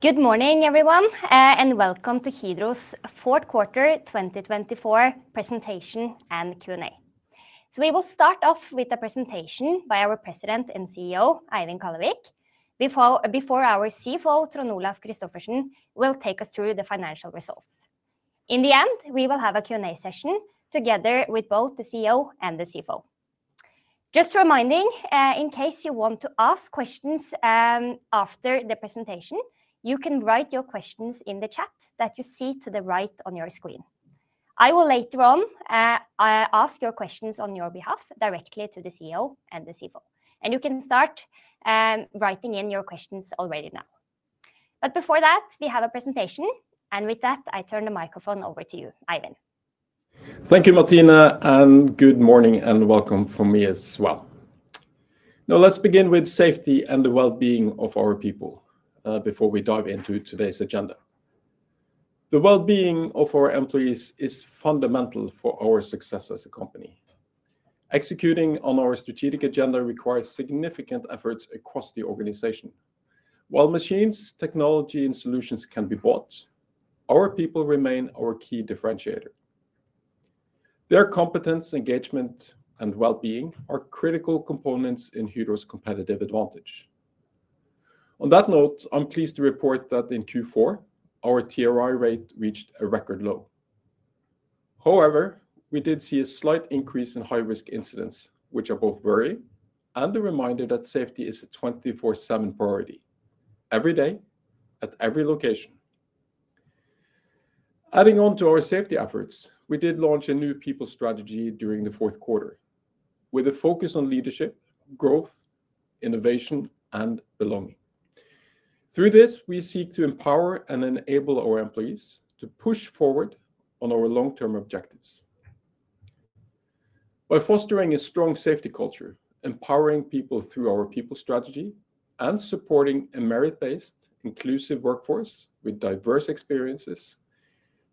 Good morning, everyone, and welcome to Hydro's fourth quarter 2024 presentation and Q&A. So we will start off with a presentation by our President and CEO, Eivind Kallevik, before our CFO, Trond Olaf Christophersen, will take us through the financial results. In the end, we will have a Q&A session together with both the CEO and the CFO. Just reminding, in case you want to ask questions after the presentation, you can write your questions in the chat that you see to the right on your screen. I will later on ask your questions on your behalf directly to the CEO and the CFO, and you can start writing in your questions already now. But before that, we have a presentation, and with that, I turn the microphone over to you, Eivind. Thank you, Martine, and good morning and welcome from me as well. Now, let's begin with safety and the well-being of our people before we dive into today's agenda. The well-being of our employees is fundamental for our success as a company. Executing on our strategic agenda requires significant efforts across the organization. While machines, technology, and solutions can be bought, our people remain our key differentiator. Their competence, engagement, and well-being are critical components in Hydro's competitive advantage. On that note, I'm pleased to report that in Q4, our TRI rate reached a record low. However, we did see a slight increase in high-risk incidents, which are both worrying and a reminder that safety is a 24/7 priority every day at every location. Adding on to our safety efforts, we did launch a new people strategy during the fourth quarter with a focus on leadership, growth, innovation, and belonging. Through this, we seek to empower and enable our employees to push forward on our long-term objectives. By fostering a strong safety culture, empowering people through our people strategy, and supporting a merit-based, inclusive workforce with diverse experiences,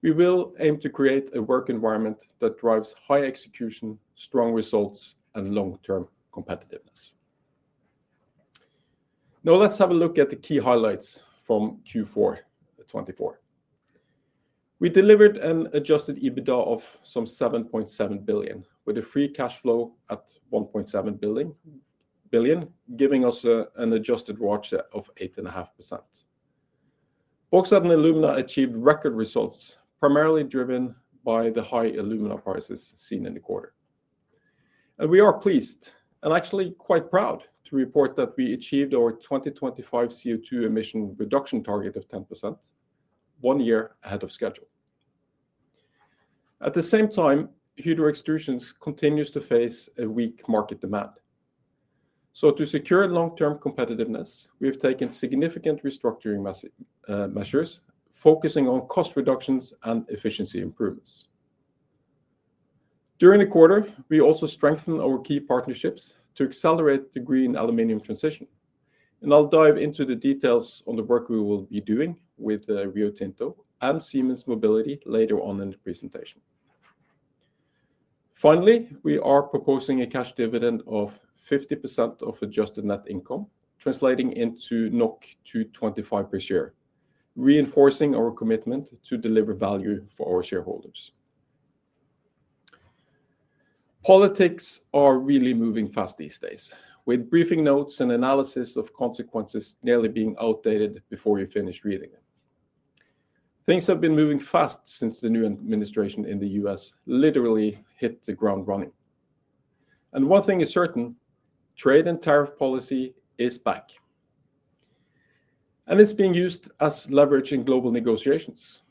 we will aim to create a work environment that drives high execution, strong results, and long-term competitiveness. Now, let's have a look at the key highlights from Q4 2024. We delivered an adjusted EBITDA of some 7.7 billion, with a free cash flow at 1.7 billion, giving us an adjusted ROAC of 8.5%. Bauxite and Alumina achieved record results, primarily driven by the high alumina prices seen in the quarter. And we are pleased and actually quite proud to report that we achieved our 2025 CO2 emission reduction target of 10%, one year ahead of schedule. At the same time, Hydro Extrusions continues to face a weak market demand. To secure long-term competitiveness, we have taken significant restructuring measures, focusing on cost reductions and efficiency improvements. During the quarter, we also strengthened our key partnerships to accelerate the green aluminum transition. I'll dive into the details on the work we will be doing with Rio Tinto and Siemens Mobility later on in the presentation. Finally, we are proposing a cash dividend of 50% of adjusted net income, translating into 2.25 per share, reinforcing our commitment to deliver value for our shareholders. Politics are really moving fast these days, with briefing notes and analysis of consequences nearly being outdated before you finish reading them. Things have been moving fast since the new administration in the U.S. literally hit the ground running. One thing is certain: trade and tariff policy is back. It's being used as leverage in global negotiations.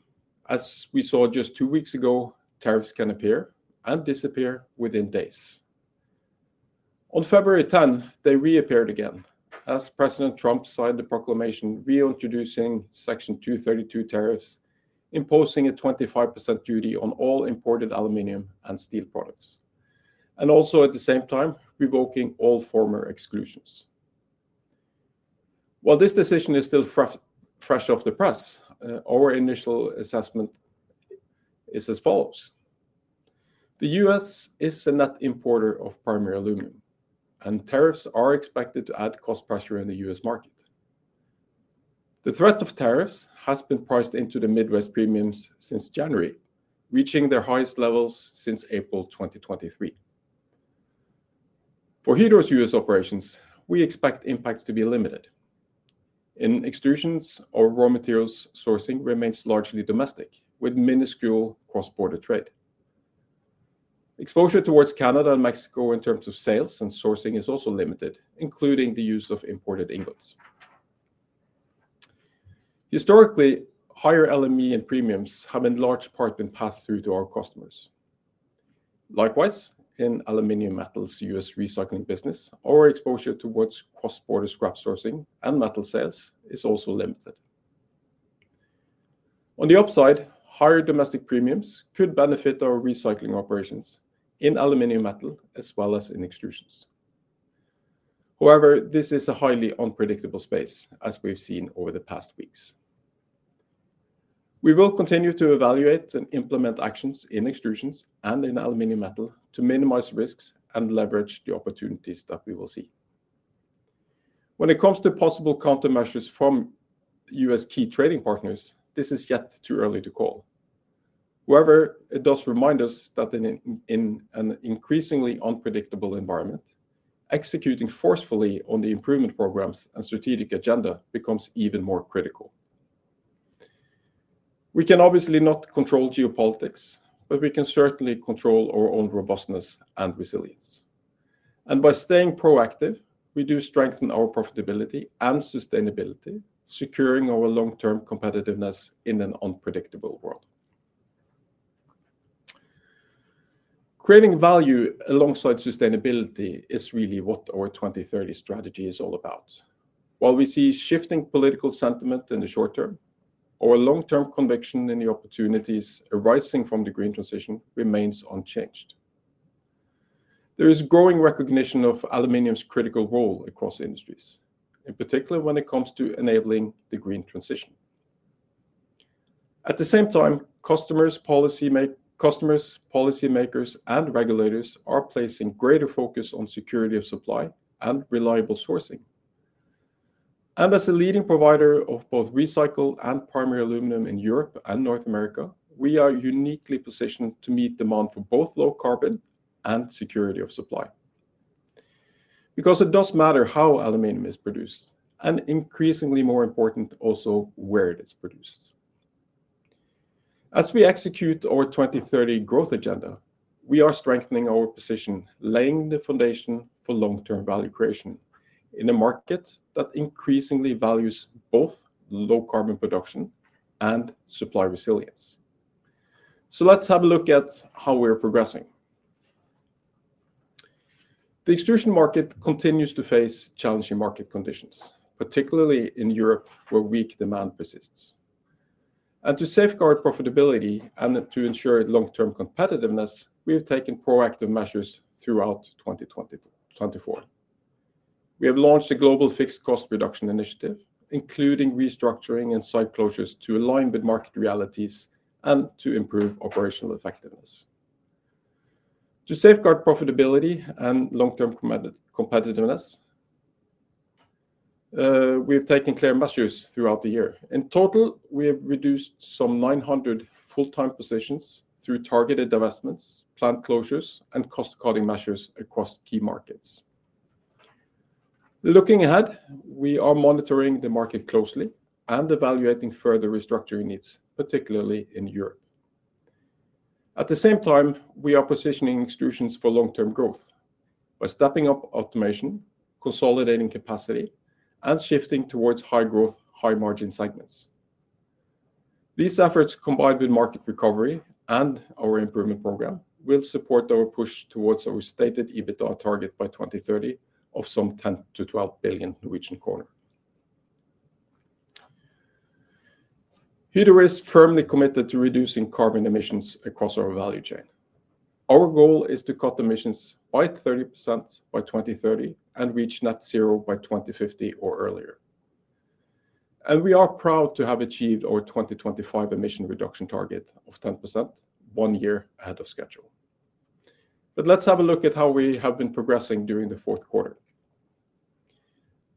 As we saw just two weeks ago, tariffs can appear and disappear within days. On February 10, they reappeared again as President Trump signed the proclamation reintroducing Section 232 tariffs, imposing a 25% duty on all imported aluminum and steel products, and also at the same time revoking all former exclusions. While this decision is still fresh off the press, our initial assessment is as follows. The U.S. is a net importer of primary aluminum, and tariffs are expected to add cost pressure in the U.S. market. The threat of tariffs has been priced into the Midwest premiums since January, reaching their highest levels since April 2023. For Hydro's U.S. operations, we expect impacts to be limited. In extrusions, our raw materials sourcing remains largely domestic, with minuscule cross-border trade. Exposure towards Canada and Mexico in terms of sales and sourcing is also limited, including the use of imported inputs. Historically, higher LME and premiums have in large part been passed through to our customers. Likewise, in Aluminum Metal's U.S. recycling business, our exposure towards cross-border scrap sourcing and metal sales is also limited. On the upside, higher domestic premiums could benefit our recycling operations in Aluminum Metal as well as in Extrusions. However, this is a highly unpredictable space, as we've seen over the past weeks. We will continue to evaluate and implement actions in Extrusions and in Aluminum Metal to minimize risks and leverage the opportunities that we will see. When it comes to possible countermeasures from U.S. key trading partners, this is yet too early to call. However, it does remind us that in an increasingly unpredictable environment, executing forcefully on the improvement programs and strategic agenda becomes even more critical. We can obviously not control geopolitics, but we can certainly control our own robustness and resilience. By staying proactive, we do strengthen our profitability and sustainability, securing our long-term competitiveness in an unpredictable world. Creating value alongside sustainability is really what our 2030 strategy is all about. While we see shifting political sentiment in the short term, our long-term conviction in the opportunities arising from the green transition remains unchanged. There is growing recognition of aluminum's critical role across industries, in particular when it comes to enabling the green transition. At the same time, customers, policymakers, and regulators are placing greater focus on security of supply and reliable sourcing. And as a leading provider of both recycled and primary aluminum in Europe and North America, we are uniquely positioned to meet demand for both low carbon and security of supply. Because it does matter how aluminum is produced, and increasingly more important also where it is produced. As we execute our 2030 growth agenda, we are strengthening our position, laying the foundation for long-term value creation in a market that increasingly values both low carbon production and supply resilience, so let's have a look at how we're progressing. The extrusion market continues to face challenging market conditions, particularly in Europe where weak demand persists, and to safeguard profitability and to ensure long-term competitiveness, we have taken proactive measures throughout 2024. We have launched a global fixed cost reduction initiative, including restructuring and site closures to align with market realities and to improve operational effectiveness. To safeguard profitability and long-term competitiveness, we have taken clear measures throughout the year. In total, we have reduced some 900 full-time positions through targeted divestments, plant closures, and cost-cutting measures across key markets. Looking ahead, we are monitoring the market closely and evaluating further restructuring needs, particularly in Europe. At the same time, we are positioning extrusions for long-term growth by stepping up automation, consolidating capacity, and shifting towards high-growth, high-margin segments. These efforts, combined with market recovery and our improvement program, will support our push towards our stated EBITDA target by 2030 of some 10 billion-12 billion. Hydro is firmly committed to reducing carbon emissions across our value chain. Our goal is to cut emissions by 30% by 2030 and reach net zero by 2050 or earlier. And we are proud to have achieved our 2025 emission reduction target of 10% one year ahead of schedule. But let's have a look at how we have been progressing during the fourth quarter.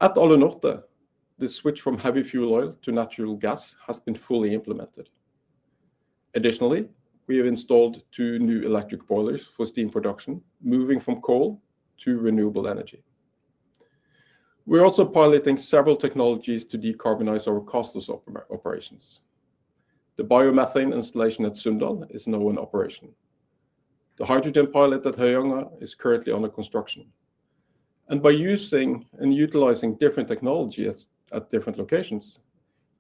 At Alunorte, the switch from heavy fuel oil to natural gas has been fully implemented. Additionally, we have installed two new electric boilers for steam production, moving from coal to renewable energy. We're also piloting several technologies to decarbonize our casthouse operations. The biomethane installation at Sunndal is now in operation. The hydrogen pilot at Høyanger is currently under construction, and by using and utilizing different technologies at different locations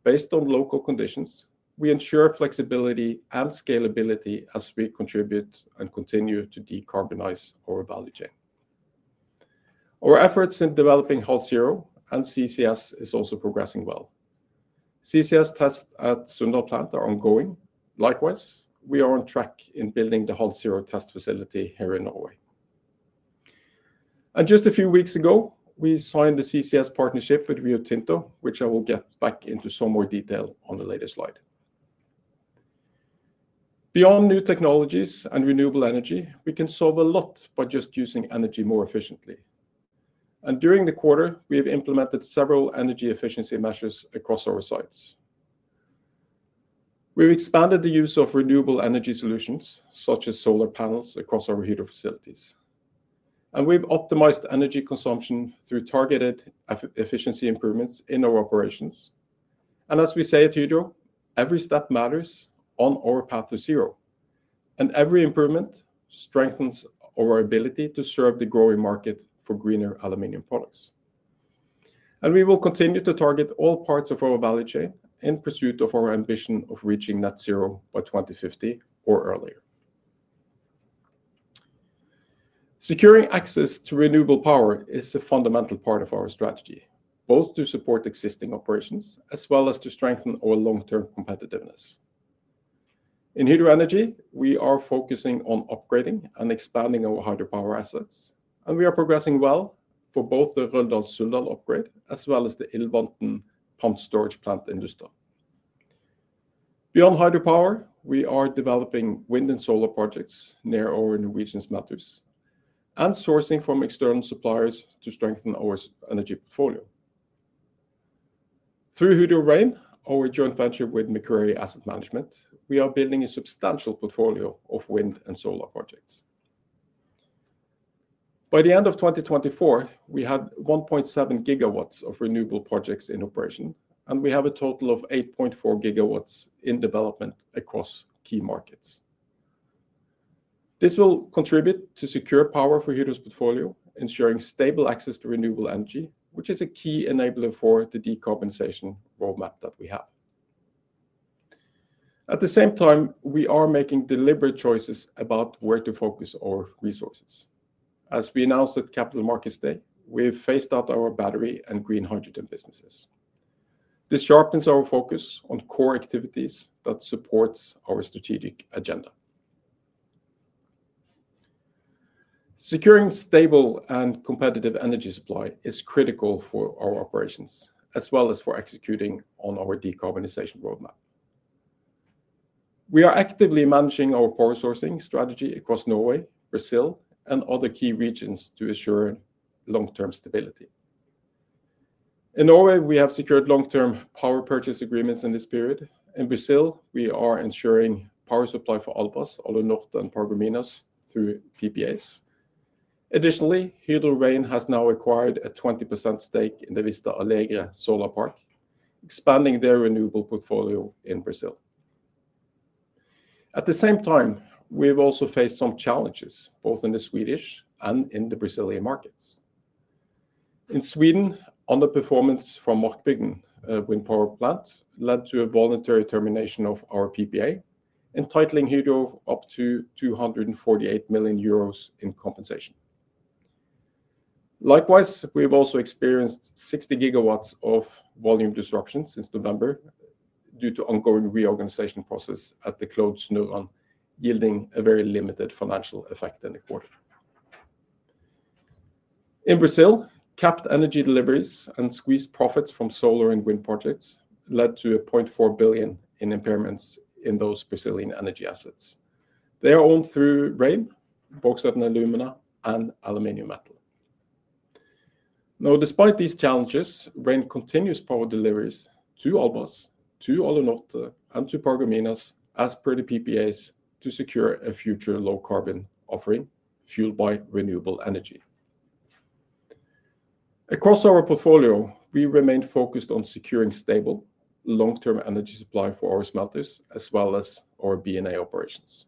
based on local conditions, we ensure flexibility and scalability as we contribute and continue to decarbonize our value chain. Our efforts in developing HalZero and CCS are also progressing well. CCS tests at Sunndal plant are ongoing. Likewise, we are on track in building the HalZero test facility here in Norway, and just a few weeks ago, we signed the CCS partnership with Rio Tinto, which I will get back into some more detail on the later slide. Beyond new technologies and renewable energy, we can solve a lot by just using energy more efficiently, and during the quarter, we have implemented several energy efficiency measures across our sites. We've expanded the use of renewable energy solutions, such as solar panels, across our Hydro facilities. We've optimized energy consumption through targeted efficiency improvements in our operations. As we say at Hydro, every step matters on our path to zero. Every improvement strengthens our ability to serve the growing market for greener aluminum products. We will continue to target all parts of our value chain in pursuit of our ambition of reaching net zero by 2050 or earlier. Securing access to renewable power is a fundamental part of our strategy, both to support existing operations as well as to strengthen our long-term competitiveness. In Hydro Energy, we are focusing on upgrading and expanding our hydropower assets, and we are progressing well for both the Røldal-Suldal upgrade as well as the Ilvatn pump storage plant. Beyond hydropower, we are developing wind and solar projects near our Norwegian smelters and sourcing from external suppliers to strengthen our energy portfolio. Through Hydro Rein, our joint venture with Macquarie Asset Management, we are building a substantial portfolio of wind and solar projects. By the end of 2024, we had 1.7 GW of renewable projects in operation, and we have a total of 8.4 GW in development across key markets. This will contribute to secure power for Hydro's portfolio, ensuring stable access to renewable energy, which is a key enabler for the decarbonization roadmap that we have. At the same time, we are making deliberate choices about where to focus our resources. As we announced at Capital Markets Day, we've phased out our battery and green hydrogen businesses. This sharpens our focus on core activities that support our strategic agenda. Securing stable and competitive energy supply is critical for our operations, as well as for executing on our decarbonization roadmap. We are actively managing our power sourcing strategy across Norway, Brazil, and other key regions to ensure long-term stability. In Norway, we have secured long-term power purchase agreements in this period. In Brazil, we are ensuring power supply for Albras, Alunorte, and Paragominas through PPAs. Additionally, Hydro Rein has now acquired a 20% stake in the Vista Alegre Solar Park, expanding their renewable portfolio in Brazil. At the same time, we've also faced some challenges, both in the Swedish and in the Brazilian markets. In Sweden, underperformance from Markbygden wind power plant led to a voluntary termination of our PPA, entitling Hydro up to 248 million euros in compensation. Likewise, we've also experienced 60 GW of volume disruption since November due to ongoing reorganization process at the Klode Snoran, yielding a very limited financial effect in the quarter. In Brazil, capped energy deliveries and squeezed profits from solar and wind projects led to 0.4 billion in impairments in those Brazilian energy assets. They are owned through Rein, Alunorte, and Albras. Now, despite these challenges, Rein continues power deliveries to Albras, to Alunorte, and to Paragominas as per the PPAs to secure a future low carbon offering fueled by renewable energy. Across our portfolio, we remain focused on securing stable, long-term energy supply for our smelters as well as our B&A operations.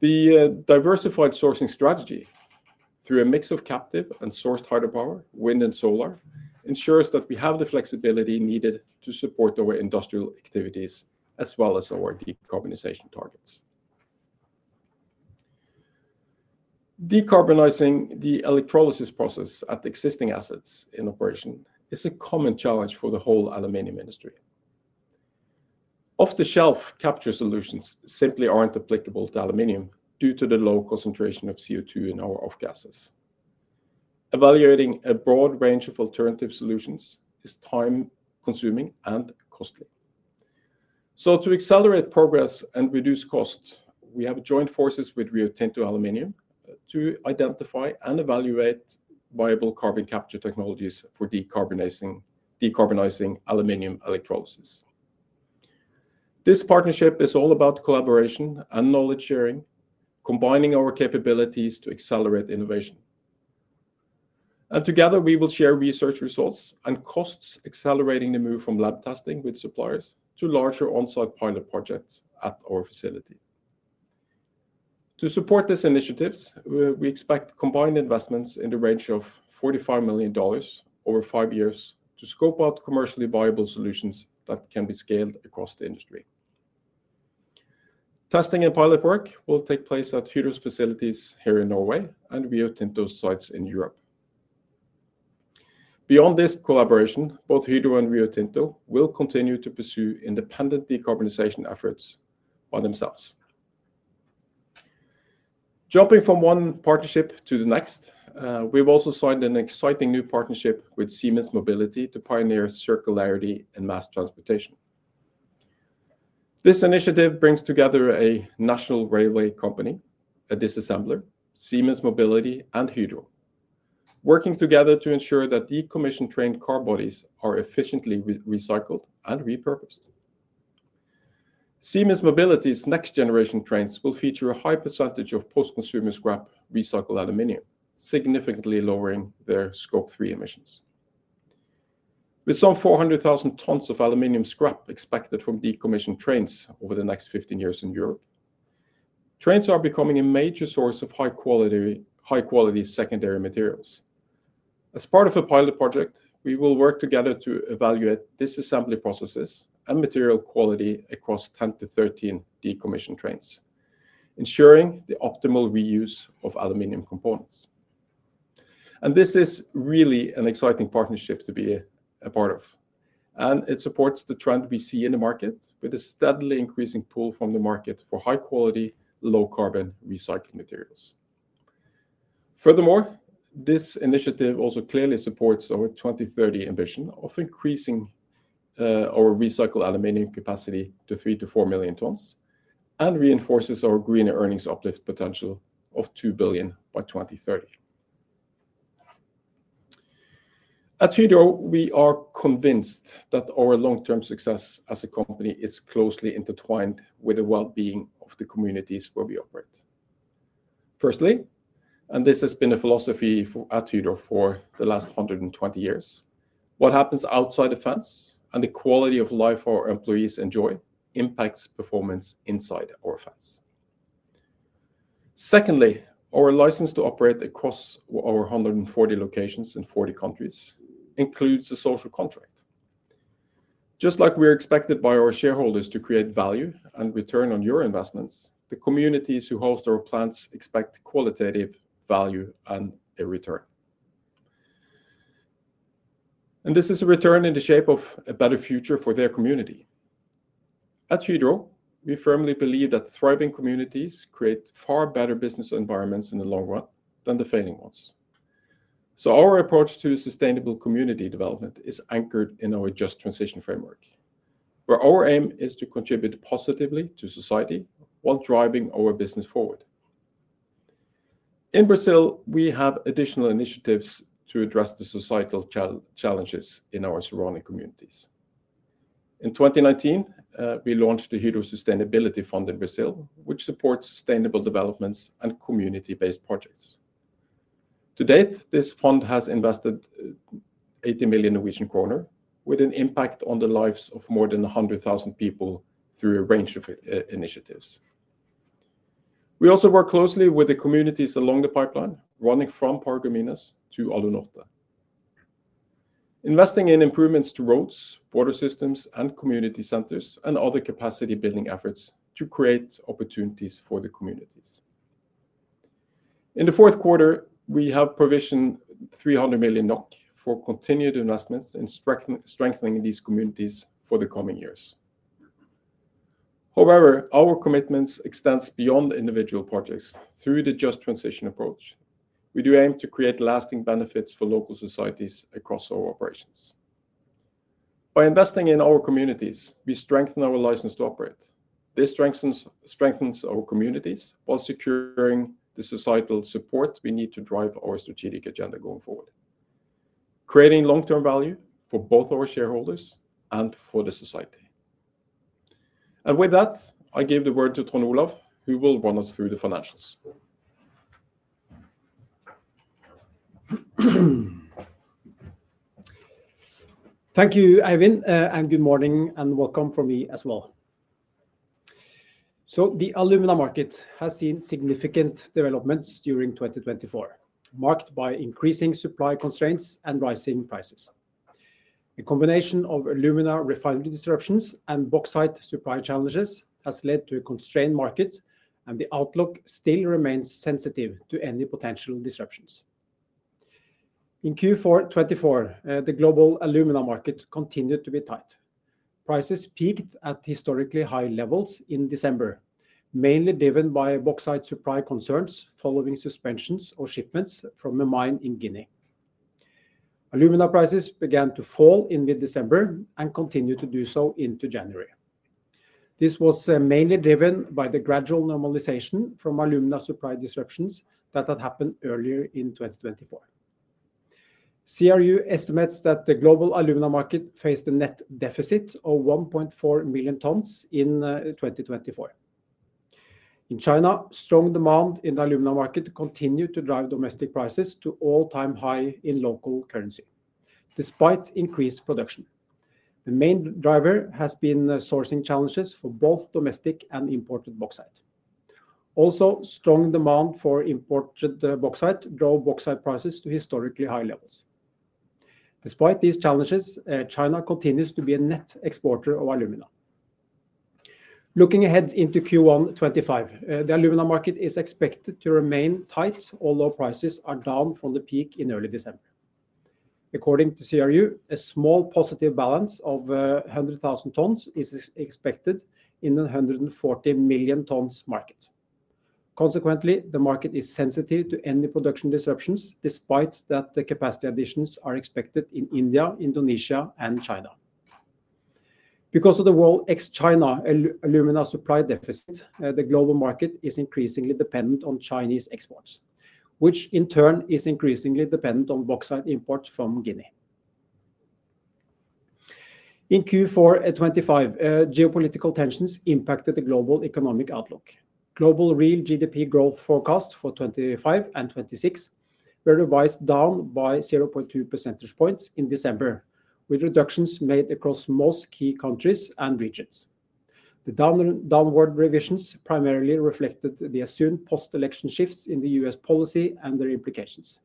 The diversified sourcing strategy through a mix of captive and sourced hydropower, wind and solar, ensures that we have the flexibility needed to support our industrial activities as well as our decarbonization targets. Decarbonizing the electrolysis process at existing assets in operation is a common challenge for the whole aluminum industry. Off-the-shelf capture solutions simply aren't applicable to aluminum due to the low concentration of CO2 in our off-gases. Evaluating a broad range of alternative solutions is time-consuming and costly, so to accelerate progress and reduce costs, we have joined forces with Rio Tinto Aluminium to identify and evaluate viable carbon capture technologies for decarbonizing aluminum electrolysis. This partnership is all about collaboration and knowledge sharing, combining our capabilities to accelerate innovation, and together, we will share research results and costs accelerating the move from lab testing with suppliers to larger on-site pilot projects at our facility. To support these initiatives, we expect combined investments in the range of $45 million over five years to scope out commercially viable solutions that can be scaled across the industry. Testing and pilot work will take place at Hydro's facilities here in Norway and Rio Tinto's sites in Europe. Beyond this collaboration, both Hydro and Rio Tinto will continue to pursue independent decarbonization efforts by themselves. Jumping from one partnership to the next, we've also signed an exciting new partnership with Siemens Mobility to pioneer circularity in mass transportation. This initiative brings together a national railway company, a disassembler, Siemens Mobility and Hydro, working together to ensure that decommissioned train car bodies are efficiently recycled and repurposed. Siemens Mobility's next generation trains will feature a high percentage of post-consumer scrap recycled aluminum, significantly lowering their Scope 3 emissions. With some 400,000 tons of aluminum scrap expected from decommissioned trains over the next 15 years in Europe, trains are becoming a major source of high-quality secondary materials. As part of a pilot project, we will work together to evaluate disassembly processes and material quality across 10 to 13 decommissioned trains, ensuring the optimal reuse of aluminum components. And this is really an exciting partnership to be a part of. And it supports the trend we see in the market with a steadily increasing pull from the market for high-quality, low-carbon recycled materials. Furthermore, this initiative also clearly supports our 2030 ambition of increasing our recycled aluminum capacity to 3 million to 4 million tons and reinforces our greener earnings uplift potential of 2 billion by 2030. At Hydro, we are convinced that our long-term success as a company is closely intertwined with the well-being of the communities where we operate. Firstly, and this has been a philosophy at Hydro for the last 120 years, what happens outside the fence and the quality of life our employees enjoy impacts performance inside our fence. Secondly, our license to operate across our 140 locations in 40 countries includes a social contract. Just like we're expected by our shareholders to create value and return on your investments, the communities who host our plants expect qualitative value and a return. And this is a return in the shape of a better future for their community. At Hydro, we firmly believe that thriving communities create far better business environments in the long run than the failing ones. So our approach to sustainable community development is anchored in our just transition framework, where our aim is to contribute positively to society while driving our business forward. In Brazil, we have additional initiatives to address the societal challenges in our surrounding communities. In 2019, we launched the Hydro Sustainability Fund in Brazil, which supports sustainable developments and community-based projects. To date, this fund has invested 80 million Norwegian kroner, with an impact on the lives of more than 100,000 people through a range of initiatives. We also work closely with the communities along the pipeline running from Paragominas to Alunorte, investing in improvements to roads, water systems, and community centers, and other capacity-building efforts to create opportunities for the communities. In the fourth quarter, we have provisioned 300 million NOK for continued investments in strengthening these communities for the coming years. However, our commitments extend beyond individual projects through the just transition approach. We do aim to create lasting benefits for local societies across our operations. By investing in our communities, we strengthen our license to operate. This strengthens our communities while securing the societal support we need to drive our strategic agenda going forward, creating long-term value for both our shareholders and for the society. And with that, I give the word to Trond Olaf, who will run us through the financials. Thank you, Eivind, and good morning and welcome from me as well. So the alumina market has seen significant developments during 2024, marked by increasing supply constraints and rising prices. A combination of alumina refinery disruptions and bauxite supply challenges has led to a constrained market, and the outlook still remains sensitive to any potential disruptions. In Q4 2024, the global alumina market continued to be tight. Prices peaked at historically high levels in December, mainly driven by bauxite supply concerns following suspensions of shipments from a mine in Guinea. alumina prices began to fall in mid-December and continued to do so into January. This was mainly driven by the gradual normalization from alumina supply disruptions that had happened earlier in 2024. CRU estimates that the global alumina market faced a net deficit of 1.4 million tons in 2024. In China, strong demand in the alumina market continued to drive domestic prices to all-time high in local currency, despite increased production. The main driver has been sourcing challenges for both domestic and imported bauxite. Also, strong demand for imported bauxite drove bauxite prices to historically high levels. Despite these challenges, China continues to be a net exporter of alumina. Looking ahead into Q1 2025, the alumina market is expected to remain tight although prices are down from the peak in early December. According to CRU, a small positive balance of 100,000 tons is expected in the 140 million tons market. Consequently, the market is sensitive to any production disruptions despite that the capacity additions are expected in India, Indonesia, and China. Because of the world ex-China alumina supply deficit, the global market is increasingly dependent on Chinese exports, which in turn is increasingly dependent on bauxite imports from Guinea. In Q425, geopolitical tensions impacted the global economic outlook. Global real GDP growth forecasts for 2025 and 2026 were revised down by 0.2 percentage points in December, with reductions made across most key countries and regions. The downward revisions primarily reflected the assumed post-election shifts in the U.S. policy and their implications.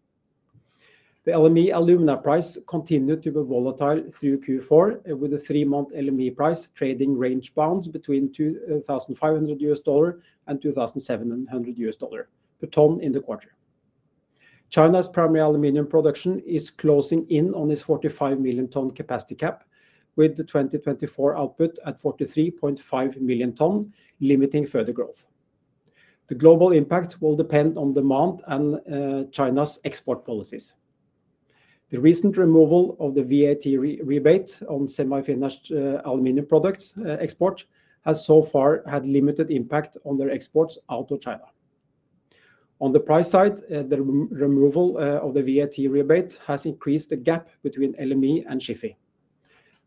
The LME alumina price continued to be volatile through Q4, with the three-month LME price trading range bounds between $2,500 and $2,700 per ton in the quarter. China's primary aluminum production is closing in on its 45 million tons capacity cap, with the 2024 output at 43.5 million tons, limiting further growth. The global impact will depend on demand and China's export policies. The recent removal of the VAT rebate on semi-finished aluminum products export has so far had limited impact on their exports out of China. On the price side, the removal of the VAT rebate has increased the gap between LME and SHFE.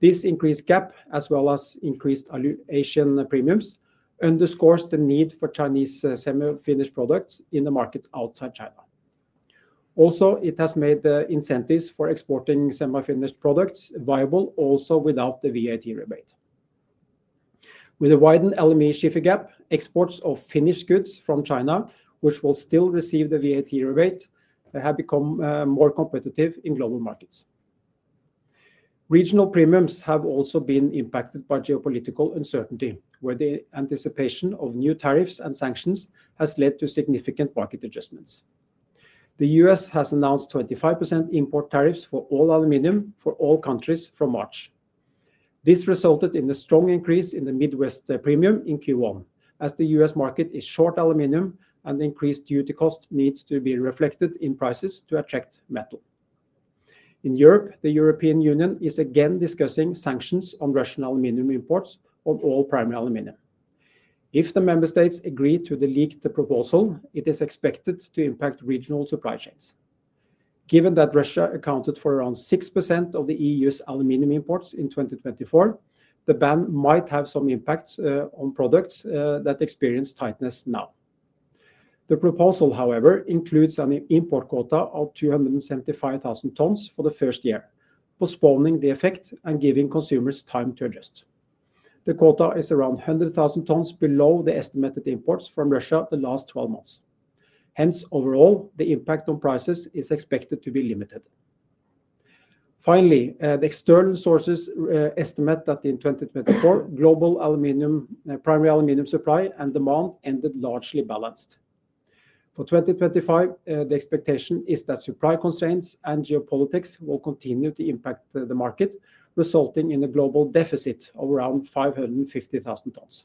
This increased gap, as well as increased all-in premiums, underscores the need for Chinese semi-finished products in the market outside China. Also, it has made the incentives for exporting semi-finished products viable also without the VAT rebate. With a widened LME-SHFE gap, exports of finished goods from China, which will still receive the VAT rebate, have become more competitive in global markets. Regional premiums have also been impacted by geopolitical uncertainty, where the anticipation of new tariffs and sanctions has led to significant market adjustments. The U.S. has announced 25% import tariffs for all aluminum for all countries from March. This resulted in a strong increase in the Midwest premium in Q1, as the U.S. market is short aluminum and the increased duty cost needs to be reflected in prices to attract metal. In Europe, the European Union is again discussing sanctions on Russian aluminum imports of all primary aluminum. If the member states agree to delete the proposal, it is expected to impact regional supply chains. Given that Russia accounted for around 6% of the EU's aluminum imports in 2024, the ban might have some impact on products that experience tightness now. The proposal, however, includes an import quota of 275,000 tons for the first year, postponing the effect and giving consumers time to adjust. The quota is around 100,000 tons below the estimated imports from Russia the last 12 months. Hence, overall, the impact on prices is expected to be limited. Finally, the external sources estimate that in 2024, global primary aluminum supply and demand ended largely balanced. For 2025, the expectation is that supply constraints and geopolitics will continue to impact the market, resulting in a global deficit of around 550,000 tons.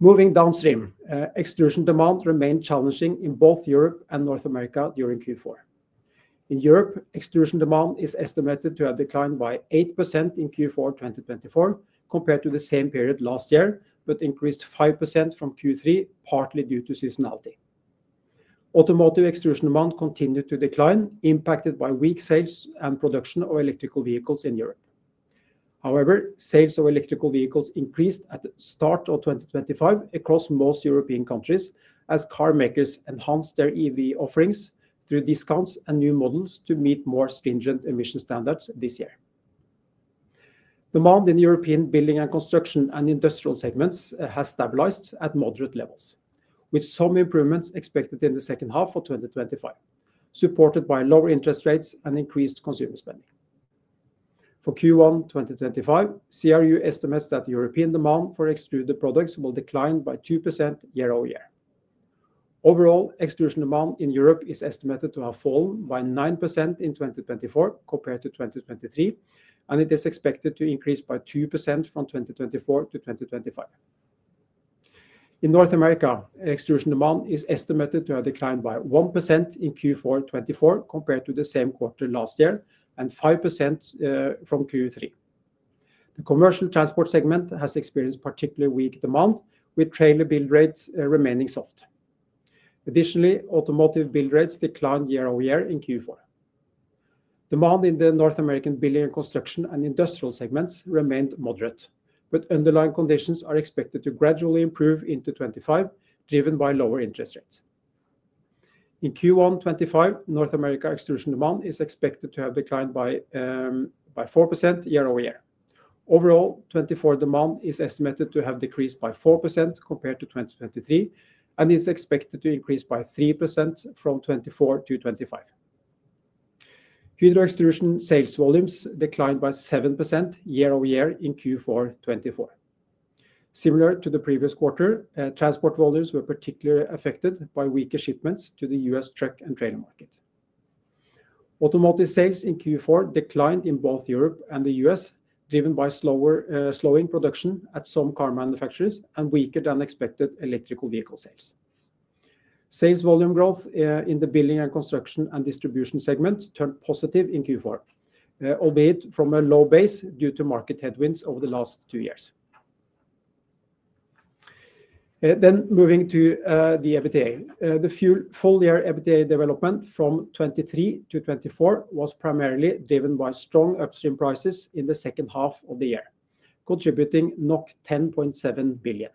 Moving downstream, extrusion demand remained challenging in both Europe and North America during Q4. In Europe, extrusion demand is estimated to have declined by 8% in Q4 2024 compared to the same period last year, but increased 5% from Q3, partly due to seasonality. Automotive extrusion demand continued to decline, impacted by weak sales and production of electric vehicles in Europe. However, sales of electric vehicles increased at the start of 2025 across most European countries as carmakers enhanced their EV offerings through discounts and new models to meet more stringent emission standards this year. Demand in the European building and construction and industrial segments has stabilized at moderate levels, with some improvements expected in the second half of 2025, supported by lower interest rates and increased consumer spending. For Q1 2025, CRU estimates that European demand for extruded products will decline by 2% year over year. Overall, extrusion demand in Europe is estimated to have fallen by 9% in 2024 compared to 2023, and it is expected to increase by 2% from 2024 to 2025. In North America, extrusion demand is estimated to have declined by 1% in Q4 2024 compared to the same quarter last year and 5% from Q3. The commercial transport segment has experienced particularly weak demand, with trailer build rates remaining soft. Additionally, automotive build rates declined year over year in Q4. Demand in the North American building and construction and industrial segments remained moderate, but underlying conditions are expected to gradually improve into 2025, driven by lower interest rates. In Q1 2025, North America extrusion demand is expected to have declined by 4% year over year. Overall, 2024 demand is estimated to have decreased by 4% compared to 2023, and it's expected to increase by 3% from 2024 to 2025. Hydro Extrusion sales volumes declined by 7% year over year in Q4 2024. Similar to the previous quarter, transport volumes were particularly affected by weaker shipments to the US truck and trailer market. Automotive sales in Q4 declined in both Europe and the US, driven by slowing production at some car manufacturers and weaker than expected electric vehicle sales. Sales volume growth in the building and construction and distribution segment turned positive in Q4, albeit from a low base due to market headwinds over the last two years. Then moving to the EBITDA, the full year EBITDA development from 2023 to 2024 was primarily driven by strong upstream prices in the second half of the year, contributing 10.7 billion.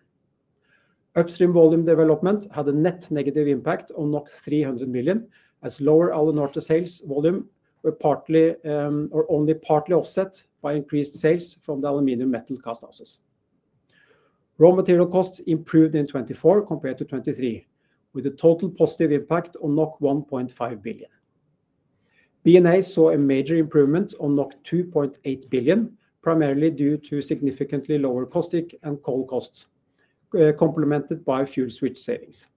Upstream volume development had a net negative impact on 300 million, as lower Alunorte sales volume were only partly offset by increased sales from the aluminum metal cast houses. Raw material costs improved in 2024 compared to 2023, with a total positive impact on 1.5 billion. B&A saw a major improvement on 2.8 billion, primarily due to significantly lower costs and coal costs, complemented by fuel switch savings.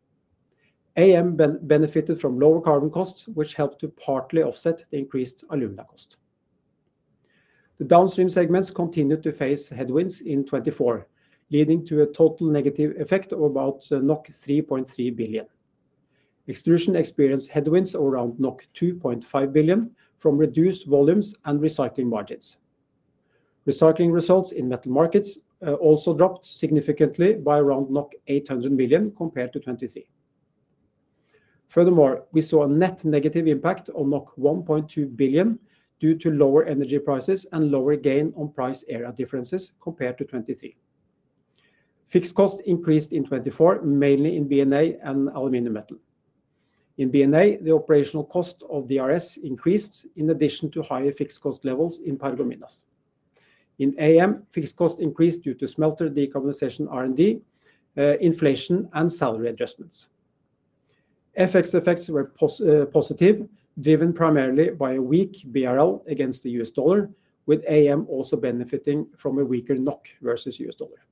AM benefited from lower carbon costs, which helped to partly offset the increased alumina cost. The downstream segments continued to face headwinds in 2024, leading to a total negative effect of about 3.3 billion. Extrusion experienced headwinds around 2.5 billion from reduced volumes and recycling margins. Recycling results in metal markets also dropped significantly by around 800 million compared to 2023. Furthermore, we saw a net negative impact on 1.2 billion due to lower energy prices and lower gain on price area differences compared to 2023. Fixed costs increased in 2024, mainly in B&A and aluminum metal. In B&A, the operational cost of DRS increased in addition to higher fixed cost levels in Paragominas. In AM, fixed costs increased due to smelter decarbonization R&D, inflation, and salary adjustments. FX effects were positive, driven primarily by a weak BRL against the U.S. dollar, with AM also benefiting from a weaker NOK versus U.S. dollar.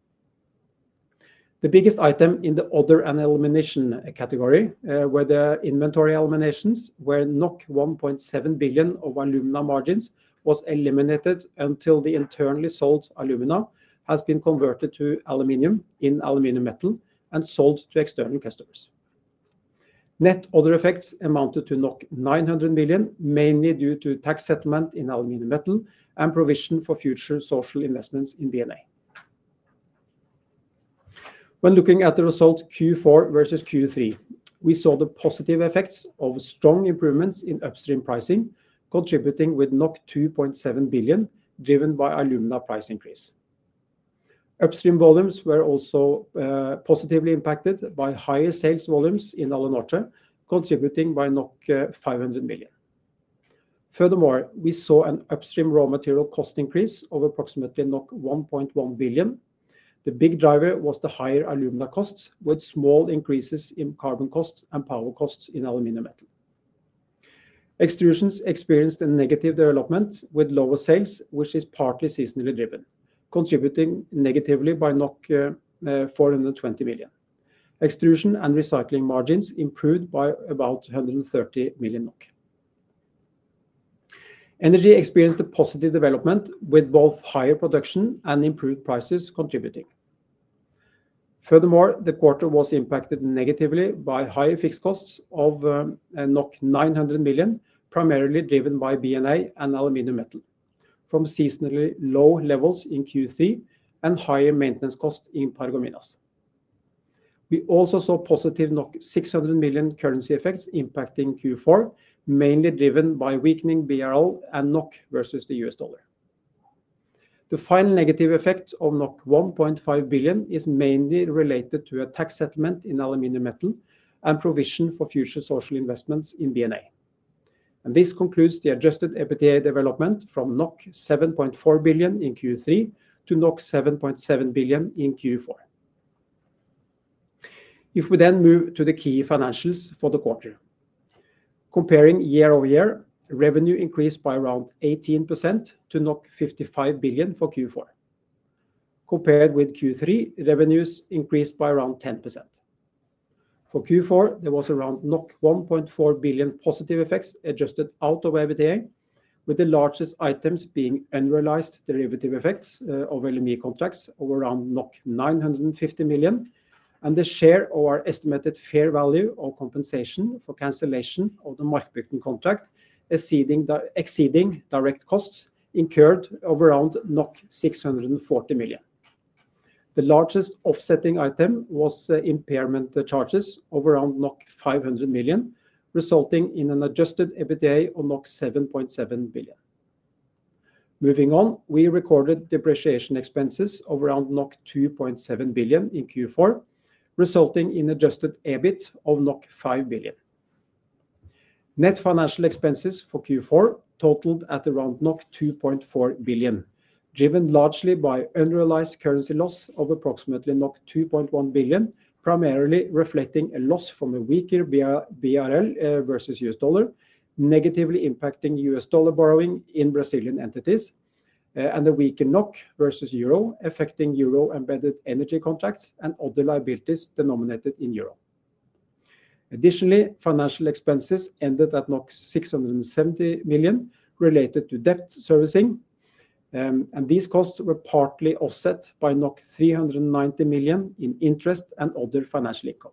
The biggest item in the other and elimination category were the inventory eliminations, where 1.7 billion of alumina margins was eliminated until the internally sold alumina has been converted to aluminum in aluminum metal and sold to external customers. Net other effects amounted to 900 million, mainly due to tax settlement in aluminum metal and provision for future social investments in B&A. When looking at the result Q4 versus Q3, we saw the positive effects of strong improvements in upstream pricing, contributing with 2.7 billion, driven by alumina price increase. Upstream volumes were also positively impacted by higher sales volumes in Alunorte, contributing by 500 million. Furthermore, we saw an upstream raw material cost increase of approximately 1.1 billion. The big driver was the higher alumina costs, with small increases in carbon costs and power costs in aluminum metal. Extrusions experienced a negative development with lower sales, which is partly seasonally driven, contributing negatively by 420 million. Extrusion and recycling margins improved by about 130 million NOK. Energy experienced a positive development, with both higher production and improved prices contributing. Furthermore, the quarter was impacted negatively by higher fixed costs of 900 million, primarily driven by B&A and aluminum metal, from seasonally low levels in Q3 and higher maintenance costs in Paragominas. We also saw positive 600 million currency effects impacting Q4, mainly driven by weakening BRL and NOK versus the U.S. dollar. The final negative effect of 1.5 billion is mainly related to a tax settlement in aluminum metal and provision for future social investments in B&A. This concludes the adjusted EBITDA development from 7.4 billion in Q3 to 7.7 billion in Q4. If we then move to the key financials for the quarter, comparing year over year, revenue increased by around 18% to 55 billion for Q4. Compared with Q3, revenues increased by around 10%. For Q4, there was around 1.4 billion positive effects adjusted out of EBITDA, with the largest items being unrealized derivative effects of LME contracts of around 950 million, and the share or estimated fair value of compensation for cancellation of the Markbygden contract exceeding direct costs incurred of around 640 million. The largest offsetting item was impairment charges of around 500 million, resulting in an Adjusted EBITDA of 7.7 billion. Moving on, we recorded depreciation expenses of around 2.7 billion in Q4, resulting in Adjusted EBIT of 5 billion. Net financial expenses for Q4 totaled at around 2.4 billion, driven largely by unrealized currency loss of approximately 2.1 billion, primarily reflecting a loss from a weaker BRL versus U.S. dollar, negatively impacting U.S. dollar borrowing in Brazilian entities, and a weaker NOK versus euro affecting euro embedded energy contracts and other liabilities denominated in euro. Additionally, financial expenses ended at 670 million related to debt servicing, and these costs were partly offset by 390 million in interest and other financial income.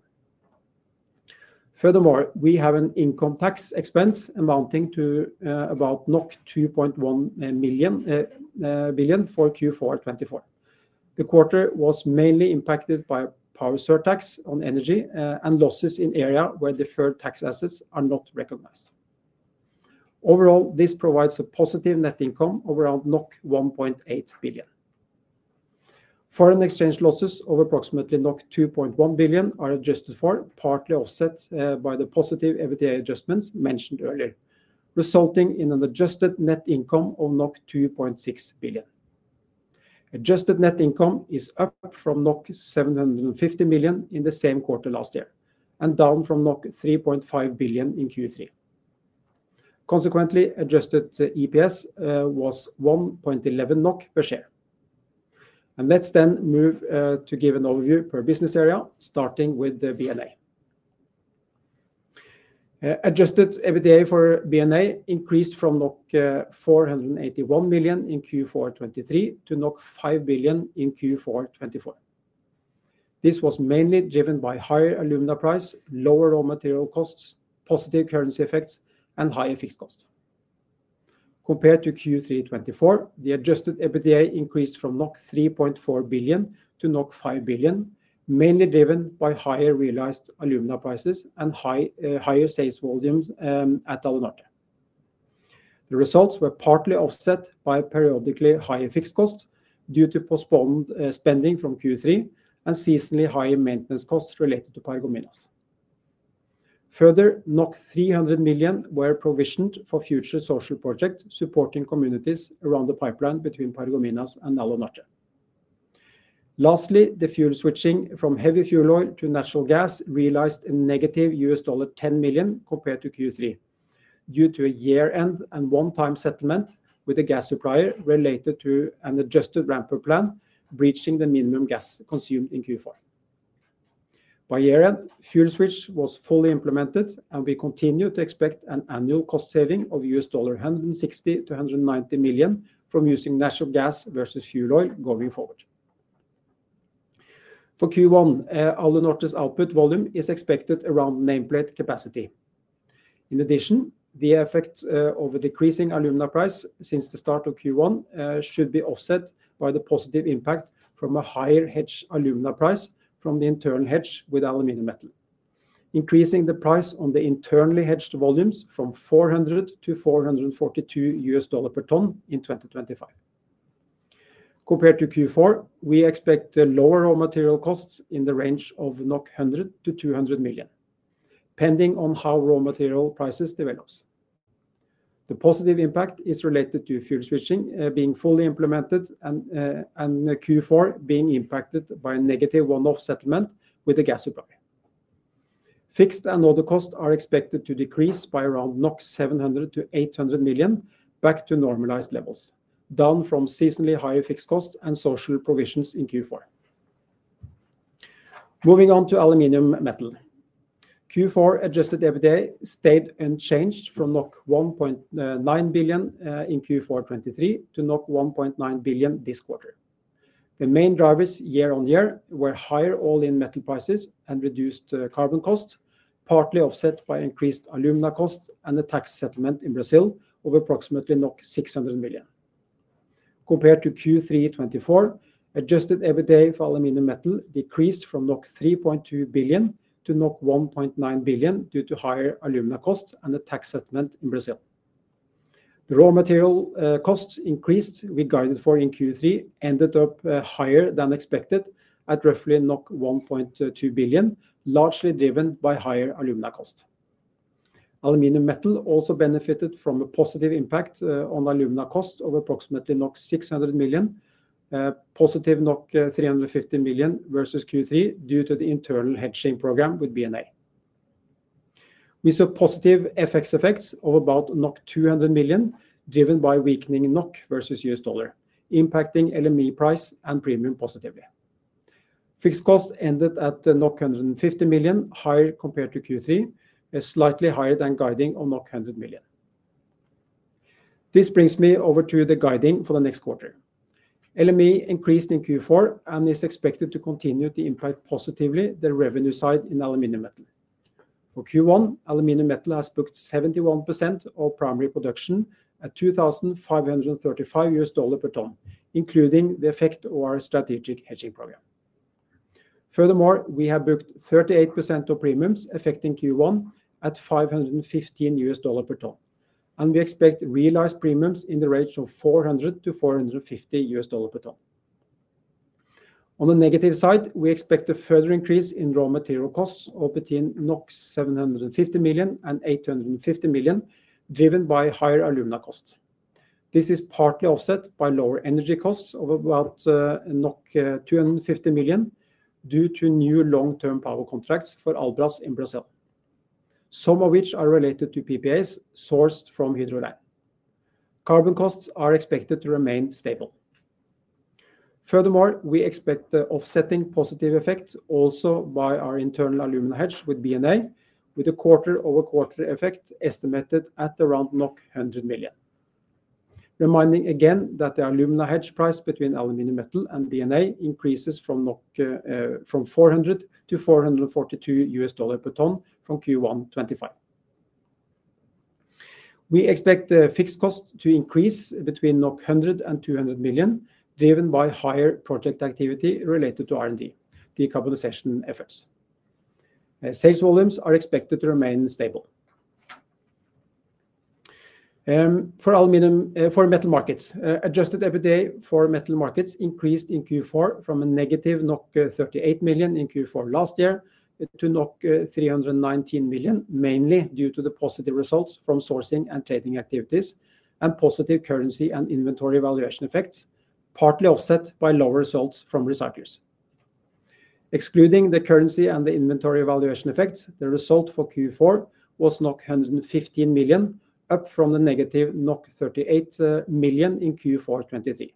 Furthermore, we have an income tax expense amounting to about 2.1 billion for Q4 2024. The quarter was mainly impacted by power surtax on energy and losses in area where deferred tax assets are not recognized. Overall, this provides a positive net income of around 1.8 billion. Foreign exchange losses of approximately 2.1 billion are adjusted for, partly offset by the positive EBITDA adjustments mentioned earlier, resulting in an adjusted net income of 2.6 billion. Adjusted net income is up from 750 million in the same quarter last year and down from 3.5 billion in Q3. Consequently, adjusted EPS was 1.11 NOK per share. Let's then move to give an overview per business area, starting with B&A. Adjusted EBITDA for B&A increased from 481 million in Q423 to 5 billion in Q4 2024. This was mainly driven by higher alumina price, lower raw material costs, positive currency effects, and higher fixed costs. Compared to Q324, the adjusted EBITDA increased from 3.4 billion to 5 billion, mainly driven by higher realized alumina prices and higher sales volumes at Alunorte. The results were partly offset by periodically higher fixed costs due to postponed spending from Q3 and seasonally higher maintenance costs related to Paragominas. Further, 300 million were provisioned for future social projects supporting communities around the pipeline between Paragominas and Alunorte. Lastly, the fuel switching from heavy fuel oil to natural gas realized a negative $10 million compared to Q3 due to a year-end and one-time settlement with a gas supplier related to an adjusted ramp-up plan, breaching the minimum gas consumed in Q4. By year-end, fuel switch was fully implemented, and we continue to expect an annual cost saving of $160 million-$190 million from using natural gas versus fuel oil going forward. For Q1, Alunorte's output volume is expected around nameplate capacity. In addition, the effect of a decreasing alumina price since the start of Q1 should be offset by the positive impact from a higher hedged alumina price from the internal hedge with aluminum metal, increasing the price on the internally hedged volumes f om $400-$442 per ton in 2025. Compared to Q4, we expect lower raw material costs in the range of 100 million-200 million, pending on how raw material prices develops. The positive impact is related to fuel switching being fully implemented and Q4 being impacted by a negative one-off settlement with the gas supply. Fixed and other costs are expected to decrease by around 700 million-800 million back to normalized levels, down from seasonally higher fixed costs and social provisions in Q4. Moving on to aluminum metal, Q4 adjusted EBITDA stayed unchanged from 1.9 billion in Q423 to 1.9 billion this quarter. The main drivers year-on-year were higher all-in metal prices and reduced carbon costs, partly offset by increased alumina costs and a tax settlement in Brazil of approximately 600 million. Compared to Q324, adjusted EBITDA for aluminum metal decreased from 3.2 billion to 1.9 billion due to higher alumina costs and a tax settlement in Brazil. The raw material costs increased we guided for in Q3 ended up higher than expected at roughly 1.2 billion, largely driven by higher alumina costs. Aluminum metal also benefited from a positive impact on alumina costs of approximately NOK 600 million, positive NOK 350 million versus Q3 due to the internal hedging program with B&A. We saw positive FX effects of about 200 million, driven by weakening NOK versus U.S. dollar, impacting LME price and premium positively. Fixed costs ended at 150 million, higher compared to Q3, slightly higher than guidance of 100 million. This brings me over to the guiding for the next quarter. LME increased in Q4 and is expected to continue to impact positively the revenue side in aluminum metal. For Q1, aluminum metal has booked 71% of primary production at $2,535 per ton, including the effect of our strategic hedging program. Furthermore, we have booked 38% of premiums affecting Q1 at $515 per ton, and we expect realized premiums in the range of $400-$450 per ton. On the negative side, we expect a further increase in raw material costs of between 750 million and 850 million, driven by higher alumina costs. This is partly offset by lower energy costs of about 250 million due to new long-term power contracts for Albras in Brazil, some of which are related to PPAs sourced from HydroLine. Carbon costs are expected to remain stable. Furthermore, we expect the offsetting positive effect also by our internal alumina hedge with B&A, with a quarter-over-quarter effect estimated at around 100 million. Reminding again that the alumina hedge price between aluminum metal and B&A increases from 400 to $442 per ton from Q1 2025. We expect the fixed cost to increase between 100 million and 200 million, driven by higher project activity related to R&D, decarbonization efforts. Sales volumes are expected to remain stable. For metal markets, Adjusted EBITDA for metal markets increased in Q4 from a negative 38 million in Q4 last year to 319 million, mainly due to the positive results from sourcing and trading activities and positive currency and inventory valuation effects, partly offset by lower results from remelters. Excluding the currency and the inventory valuation effects, the result for Q4 was 115 million, up from the negative 38 million in Q423.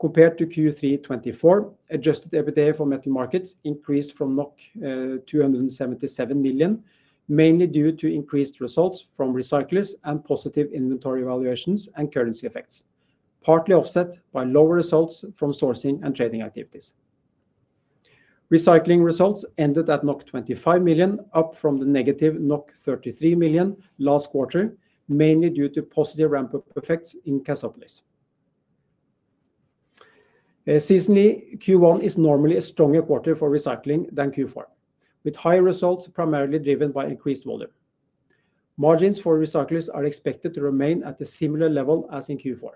Compared to Q324, Adjusted EBITDA for metal markets increased from 277 million, mainly due to increased results from remelters and positive inventory valuations and currency effects, partly offset by lower results from sourcing and trading activities. Recycling results ended at 25 million, up from the negative 33 million last quarter, mainly due to positive ramp-up effects in Cassopolis. Seasonally, Q1 is normally a stronger quarter for recycling than Q4, with higher results primarily driven by increased volume. Margins for remelters are expected to remain at a similar level as in Q4.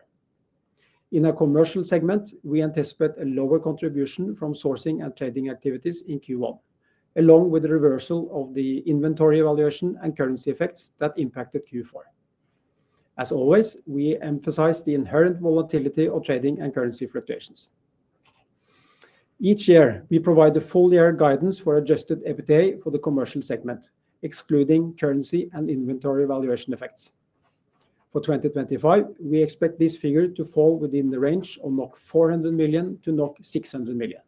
In the commercial segment, we anticipate a lower contribution from sourcing and trading activities in Q1, along with the reversal of the inventory valuation and currency effects that impacted Q4. As always, we emphasize the inherent volatility of trading and currency fluctuations. Each year, we provide a full-year guidance for Adjusted EBITDA for the commercial segment, excluding currency and inventory valuation effects. For 2025, we expect this figure to fall within the range of 400 million-600 million NOK.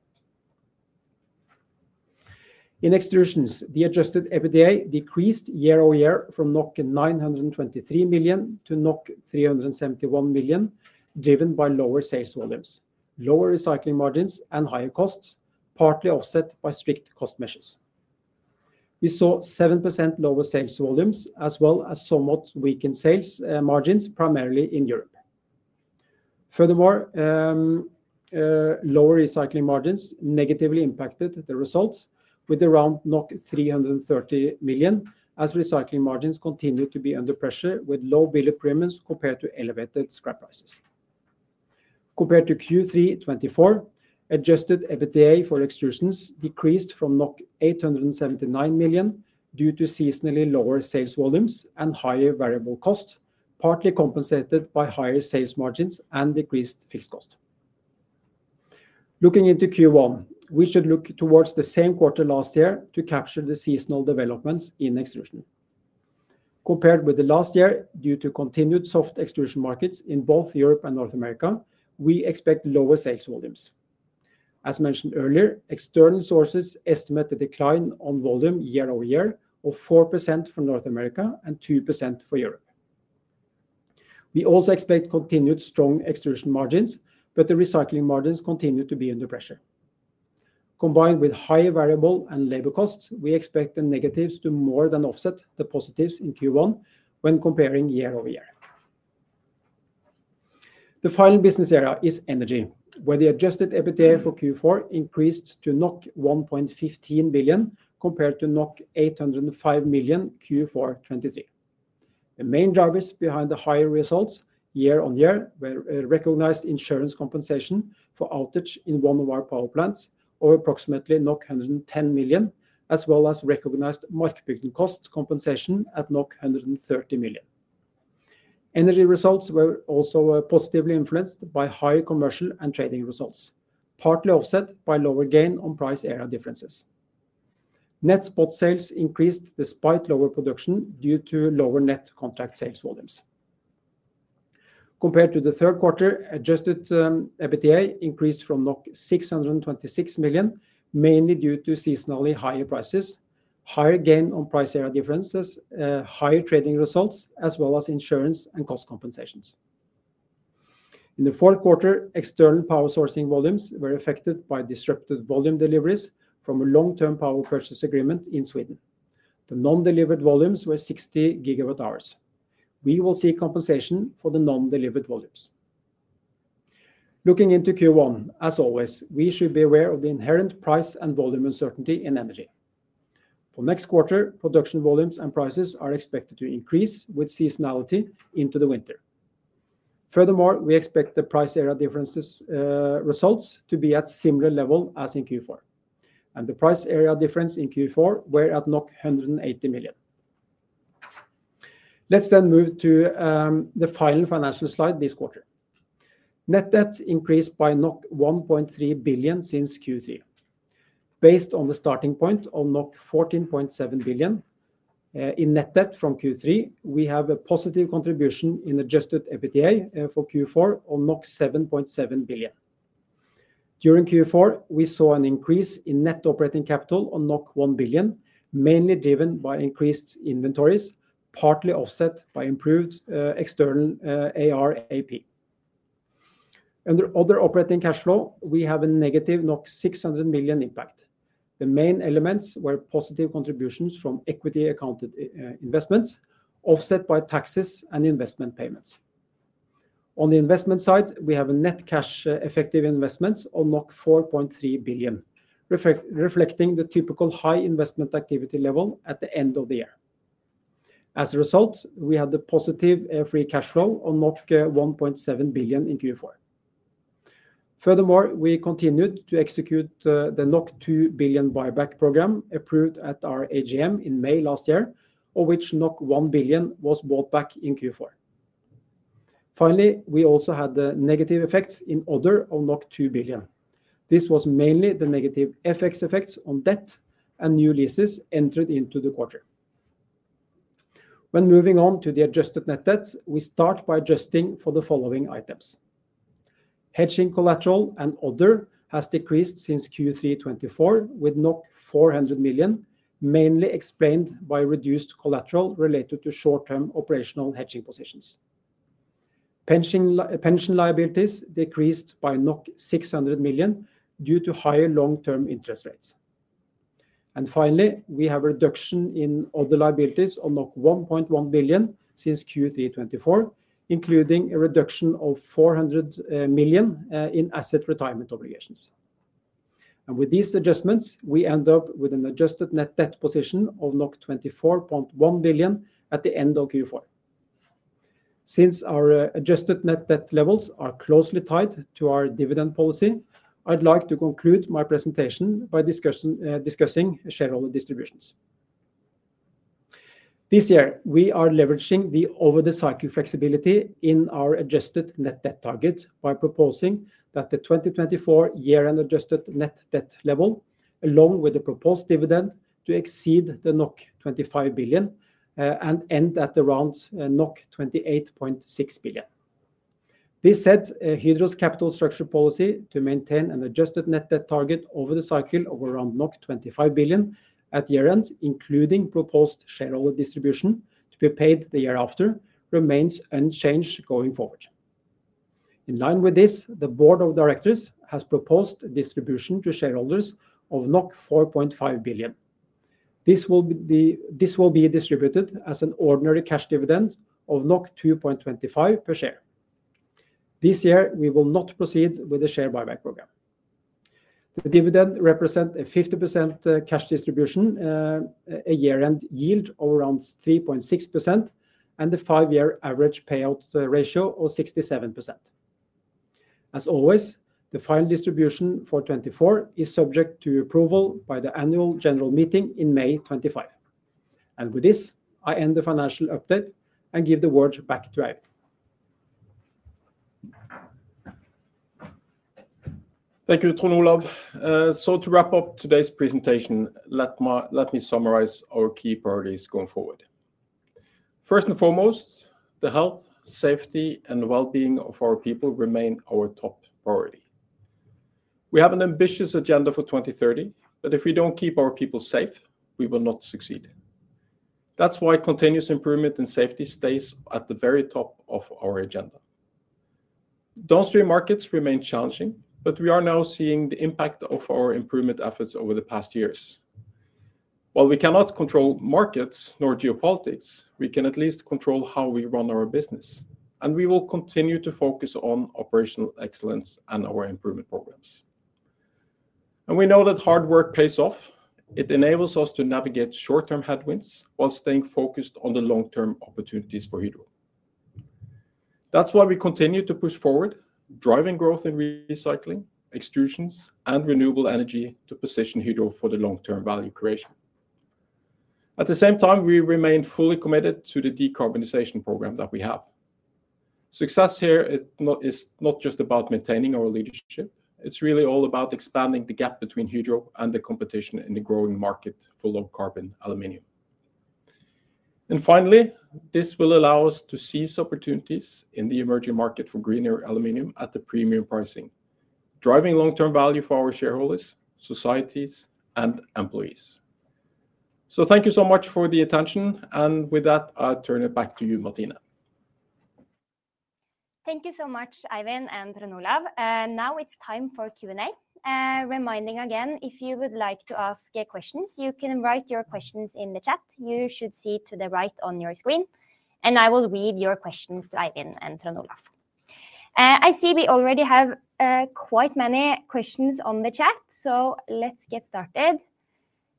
In extrusions, the Adjusted EBITDA decreased year-over-year from 923 million to 371 million, driven by lower sales volumes, lower recycling margins, and higher costs, partly offset by strict cost measures. We saw 7% lower sales volumes, as well as somewhat weakened sales margins, primarily in Europe. Furthermore, lower recycling margins negatively impacted the results, with around 330 million as recycling margins continued to be under pressure, with low billet premiums compared to elevated scrap prices. Compared to Q324, adjusted EBITDA for extrusions decreased from 879 million due to seasonally lower sales volumes and higher variable costs, partly compensated by higher sales margins and decreased fixed costs. Looking into Q1, we should look towards the same quarter last year to capture the seasonal developments in extrusion. Compared with the last year, due to continued soft extrusion markets in both Europe and North America, we expect lower sales volumes. As mentioned earlier, external sources estimate the decline on volume year-over-year of 4% for North America and 2% for Europe. We also expect continued strong extrusion margins, but the recycling margins continue to be under pressure. Combined with higher variable and labor costs, we expect the negatives to more than offset the positives in Q1 when comparing year-over-year. The final business area is energy, where the adjusted EBITDA for Q4 increased to 1.15 billion compared to 805 million Q4 2023. The main drivers behind the higher results year-on-year were recognized insurance compensation for outage in one of our power plants, of approximately 110 million, as well as recognized Markbygden cost compensation at 130 million. Energy results were also positively influenced by higher commercial and trading results, partly offset by lower gain on price area differences. Net spot sales increased despite lower production due to lower net contract sales volumes. Compared to the third quarter, Adjusted EBITDA increased from 626 million, mainly due to seasonally higher prices, higher gain on area price differences, higher trading results, as well as insurance and cost compensations. In the fourth quarter, external power sourcing volumes were affected by disrupted volume deliveries from a long-term power purchase agreement in Sweden. The non-delivered volumes were 60 GWh. We will see compensation for the non-delivered volumes. Looking into Q1, as always, we should be aware of the inherent price and volume uncertainty in energy. For next quarter, production volumes and prices are expected to increase with seasonality into the winter. Furthermore, we expect the area price differences results to be at a similar level as in Q4, and the area price difference in Q4 was at 180 million. Let's then move to the final financial slide this quarter. Net debt increased by 1.3 billion since Q3. Based on the starting point of 14.7 billion in net debt from Q3, we have a positive contribution in adjusted EBITDA for Q4 of 7.7 billion. During Q4, we saw an increase in net operating capital of 1 billion, mainly driven by increased inventories, partly offset by improved external AR/AP. Under other operating cash flow, we have a negative 600 million impact. The main elements were positive contributions from equity-accounted investments, offset by taxes and investment payments. On the investment side, we have a net cash effective investment of 4.3 billion, reflecting the typical high investment activity level at the end of the year. As a result, we had a positive free cash flow of 1.7 billion in Q4. Furthermore, we continued to execute the 2 billion buyback program approved at our AGM in May last year, of which 1 billion was bought back in Q4. Finally, we also had the negative effects in order of 2 billion. This was mainly the negative FX effects on debt and new leases entered into the quarter. When moving on to the adjusted net debt, we start by adjusting for the following items. Hedging collateral and other has decreased since Q324 with 400 million, mainly explained by reduced collateral related to short-term operational hedging positions. Pension liabilities decreased by 600 million due to higher long-term interest rates, and finally, we have a reduction in other liabilities of 1.1 billion since Q324, including a reduction of 400 million in asset retirement obligations. With these adjustments, we end up with an adjusted net debt position of 24.1 billion at the end of Q4. Since our adjusted net debt levels are closely tied to our dividend policy, I'd like to conclude my presentation by discussing shareholder distributions. This year, we are leveraging the over-the-cycle flexibility in our adjusted net debt target by proposing that the 2024 year-end adjusted net debt level, along with the proposed dividend, exceed the 25 billion and end at around 28.6 billion. This sets Hydro's capital structure policy to maintain an adjusted net debt target over the cycle of around 25 billion at year-end, including proposed shareholder distribution to be paid the year after, remains unchanged going forward. In line with this, the board of directors has proposed distribution to shareholders of 4.5 billion. This will be distributed as an ordinary cash dividend of 2.25 per share. This year, we will not proceed with the share buyback program. The dividend represents a 50% cash distribution, a year-end yield of around 3.6%, and a five-year average payout ratio of 67%. As always, the final distribution for 2024 is subject to approval by the annual general meeting in May 2025, and with this, I end the financial update and give the word back to Eivind. Thank you, Trond Olaf, so to wrap up today's presentation, let me summarize our key priorities going forward. First and foremost, the health, safety, and well-being of our people remain our top priority. We have an ambitious agenda for 2030, but if we don't keep our people safe, we will not succeed. That's why continuous improvement and safety stays at the very top of our agenda. Downstream markets remain challenging, but we are now seeing the impact of our improvement efforts over the past years. While we cannot control markets nor geopolitics, we can at least control how we run our business, and we will continue to focus on operational excellence and our improvement programs, and we know that hard work pays off. It enables us to navigate short-term headwinds while staying focused on the long-term opportunities for Hydro. That's why we continue to push forward, driving growth in recycling, extrusions, and renewable energy to position Hydro for the long-term value creation. At the same time, we remain fully committed to the decarbonization program that we have. Success here is not just about maintaining our leadership. It's really all about expanding the gap between Hydro and the competition in the growing market for low-carbon aluminum. And finally, this will allow us to seize opportunities in the emerging market for greener aluminum at the premium pricing, driving long-term value for our shareholders, societies, and employees. So, thank you so much for the attention. And with that, I turn it back to you, Martine. Thank you so much, Eivind and Trond Olaf. Now it's time for Q&A. Reminding again, if you would like to ask questions, you can write your questions in the chat. You should see to the right on your screen, and I will read your questions to Eivind and Trond Olaf. I see we already have quite many questions on the chat, so let's get started.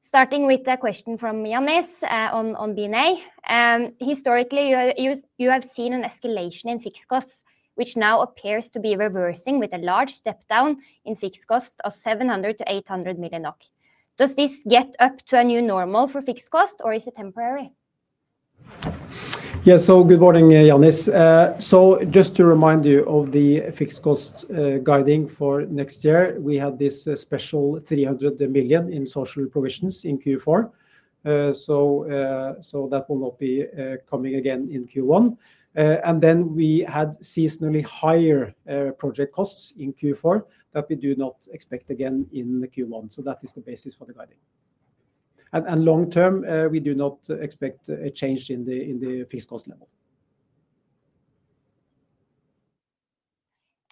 Starting with the question from Jannis on B&A. Historically, you have seen an escalation in fixed costs, which now appears to be reversing with a large step down in fixed costs of 700 million-800 million. Does this get up to a new normal for fixed costs, or is it temporary? Yes, so good morning, Jannis. So, just to remind you of the fixed cost guiding for next year, we had this special 300 million in social provisions in Q4. So, that will not be coming again in Q1. And then we had seasonally higher project costs in Q4 that we do not expect again in Q1. So, that is the basis for the guiding. And long-term, we do not expect a change in the fixed cost level.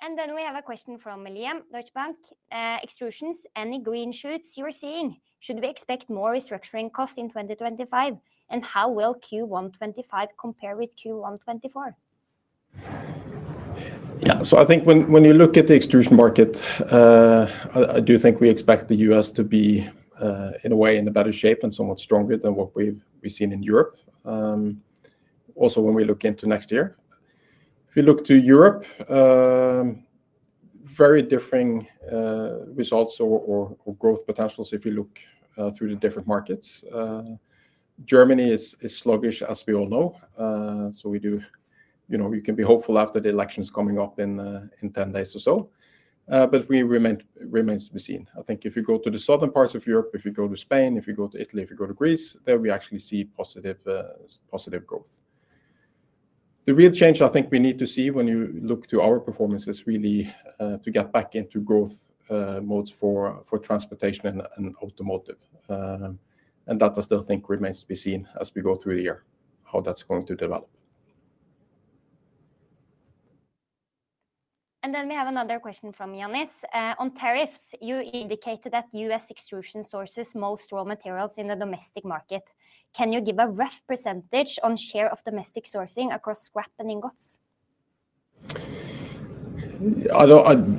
And then we have a question from Liam, Deutsche Bank. Extrusions, any green shoots you're seeing? Should we expect more restructuring costs in 2025? And how will Q1 2025 compare with Q124? Yeah, so I think when you look at the extrusion market, I do think we expect the U.S. to be, in a way, in a better shape and somewhat stronger than what we've seen in Europe. Also, when we look into next year, if you look to Europe, very differing results or growth potentials if you look through the different markets. Germany is sluggish, as we all know. So, we do, you know, we can be hopeful after the elections coming up in 10 days or so. But it remains to be seen. I think if you go to the southern parts of Europe, if you go to Spain, if you go to Italy, if you go to Greece, there we actually see positive growth. The real change I think we need to see when you look to our performance is really to get back into growth modes for transportation and automotive. And that, I still think, remains to be seen as we go through the year, how that's going to develop. And then we have another question from Jannis. On tariffs, you indicated that U.S. extrusion sources most raw materials in the domestic market. Can you give a rough percentage on share of domestic sourcing across scrap and ingots?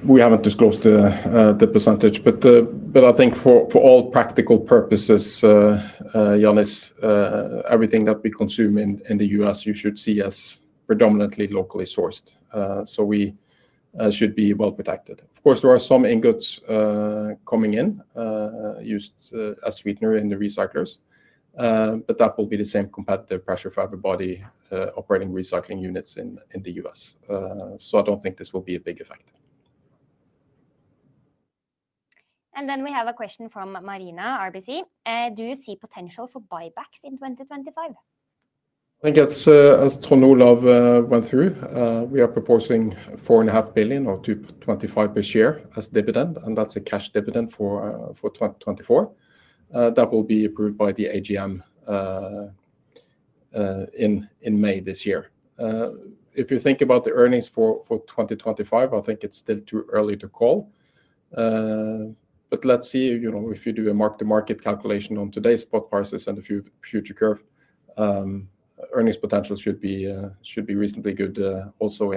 We haven't disclosed the percentage, but I think for all practical purposes, Jannis, everything that we consume in the U.S., you should see as predominantly locally sourced. So, we should be well protected. Of course, there are some ingots coming in used as sweeteners in the recyclers, but that will be the same competitive pressure for everybody operating recycling units in the U.S. I don't think this will be a big effect. Then we have a question from Marina, RBC. Do you see potential for buybacks in 2025? I think as Trond Olaf went through, we are proposing 4.5 billion or 2.25 per share as dividend, and that's a cash dividend for 2024. That will be approved by the AGM in May this year. If you think about the earnings for 2025, I think it's still too early to call. But let's see, you know, if you do a mark-to-market calculation on today's spot prices and the future curve, earnings potential should be reasonably good also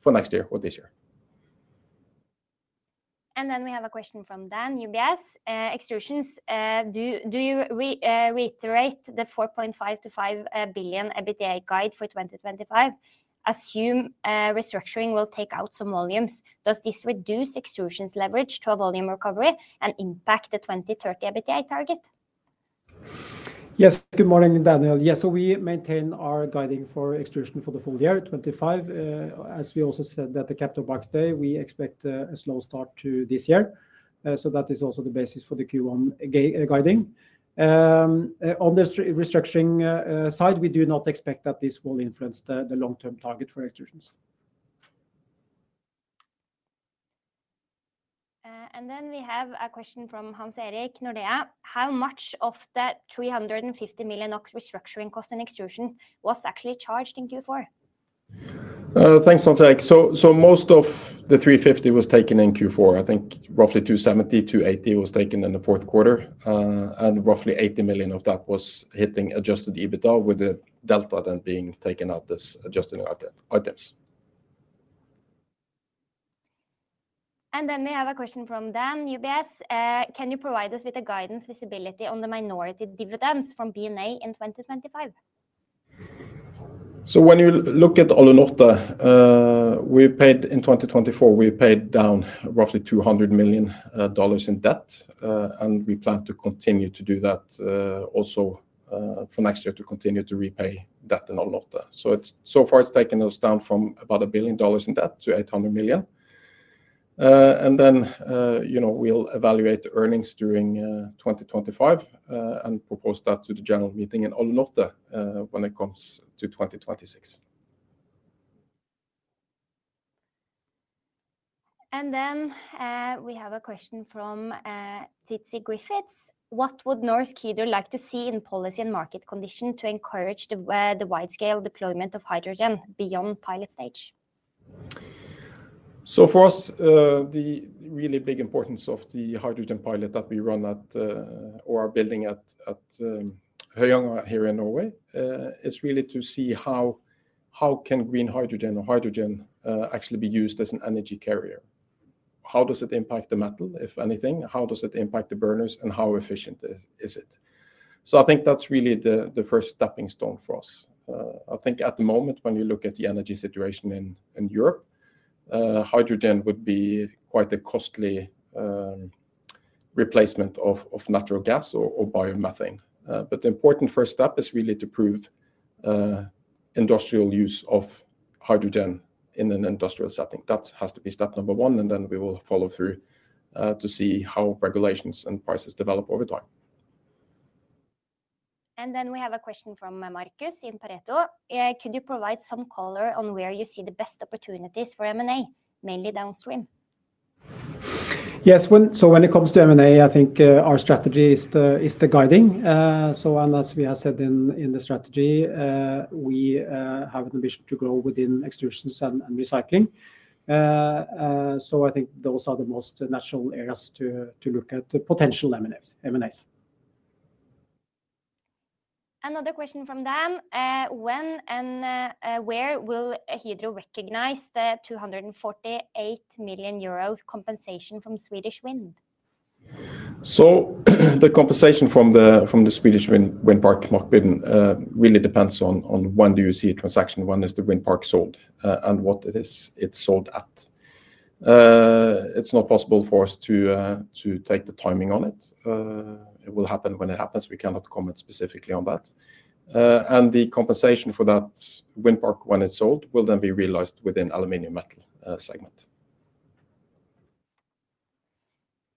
for next year or this year. Then we have a question from Dan UBS. Extrusions, do you reiterate the 4.5 billion-5 billion EBITDA guide for 2025? Assume restructuring will take out some volumes. Does this reduce extrusions leverage to a volume recovery and impact the 2030 EBITDA target? Yes, good morning, Daniel. Yes, so we maintain our guiding for extrusion for the full year, 2025. As we also said at the Capital Markets Day, we expect a slow start to this year. So, that is also the basis for the Q1 guiding. On the restructuring side, we do not expect that this will influence the long-term target for extrusions. And then we have a question from Hans-Erik Nordea. How much of the NOK 350 million restructuring cost in extrusion was actually charged in Q4? Thanks, Hans-Erik. So, most of the 350 was taken in Q4. I think roughly 270 million-280 million was taken in the fourth quarter, and roughly 80 million of that was hitting Adjusted EBITDA with the delta then being taken out as adjusted items. We have a question from Dan UBS. Can you provide us with a guidance visibility on the minority dividends from B&A in 2025? When you look at Alunorte, we paid in 2024, we paid down roughly $200 million in debt, and we plan to continue to do that also for next year to continue to repay debt in Alunorte. So far it's taken us down from about $1 billion in debt to $800 million, and you know, we'll evaluate the earnings during 2025 and propose that to the general meeting in Alunorte when it comes to 2026. We have a question from Titsey Griffiths. What would Norsk Hydro like to see in policy and market condition to encourage the wide-scale deployment of hydrogen beyond pilot stage? So, for us, the really big importance of the hydrogen pilot that we run at or are building at Høyanger here in Norway is really to see how can green hydrogen or hydrogen actually be used as an energy carrier. How does it impact the metal, if anything? How does it impact the burners, and how efficient is it? So, I think that's really the first stepping stone for us. I think at the moment, when you look at the energy situation in Europe, hydrogen would be quite a costly replacement of natural gas or biomethane. But the important first step is really to prove industrial use of hydrogen in an industrial setting. That has to be step number one, and then we will follow through to see how regulations and prices develop over time. And then we have a question from Marcus in Pareto. Could you provide some color on where you see the best opportunities for M&A, mainly downstream? Yes, so when it comes to M&A, I think our strategy is the guiding. So, and as we have said in the strategy, we have an ambition to grow within extrusions and recycling. So, I think those are the most natural areas to look at potential M&As. Another question from Dan. When and where will Hydro recognize the 248 million euros compensation from Swedish Wind? So, the compensation from the Swedish wind park, Markbygden, really depends on when do you see a transaction, when is the wind park sold, and what it is it's sold at. It's not possible for us to take the timing on it. It will happen when it happens. We cannot comment specifically on that. And the compensation for that wind park, when it's sold, will then be realized within the aluminum metal segment.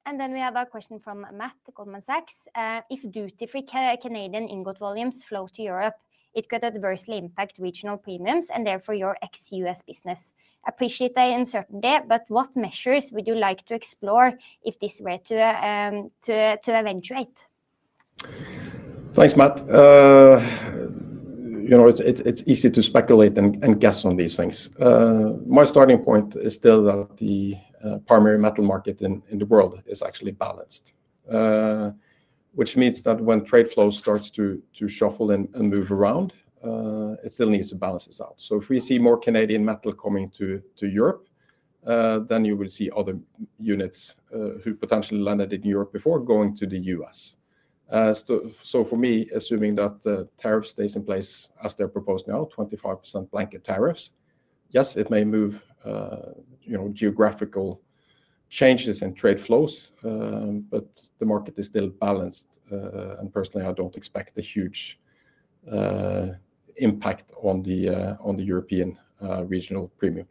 And then we have a question from Matt, Goldman Sachs. If duty-free Canadian ingot volumes flow to Europe, it could adversely impact regional premiums and therefore your ex-US business. Appreciate the uncertainty, but what measures would you like to explore if this were to eventuate? Thanks, Matt. You know, it's easy to speculate and guess on these things. My starting point is still that the primary metal market in the world is actually balanced, which means that when trade flow starts to shuffle and move around, it still needs to balance this out. So, if we see more Canadian metal coming to Europe, then you will see other units who potentially landed in Europe before going to the US. For me, assuming that the tariff stays in place as they're proposed now, 25% blanket tariffs, yes, it may move, you know, geographical changes and trade flows, but the market is still balanced. Personally, I don't expect a huge impact on the European regional premium.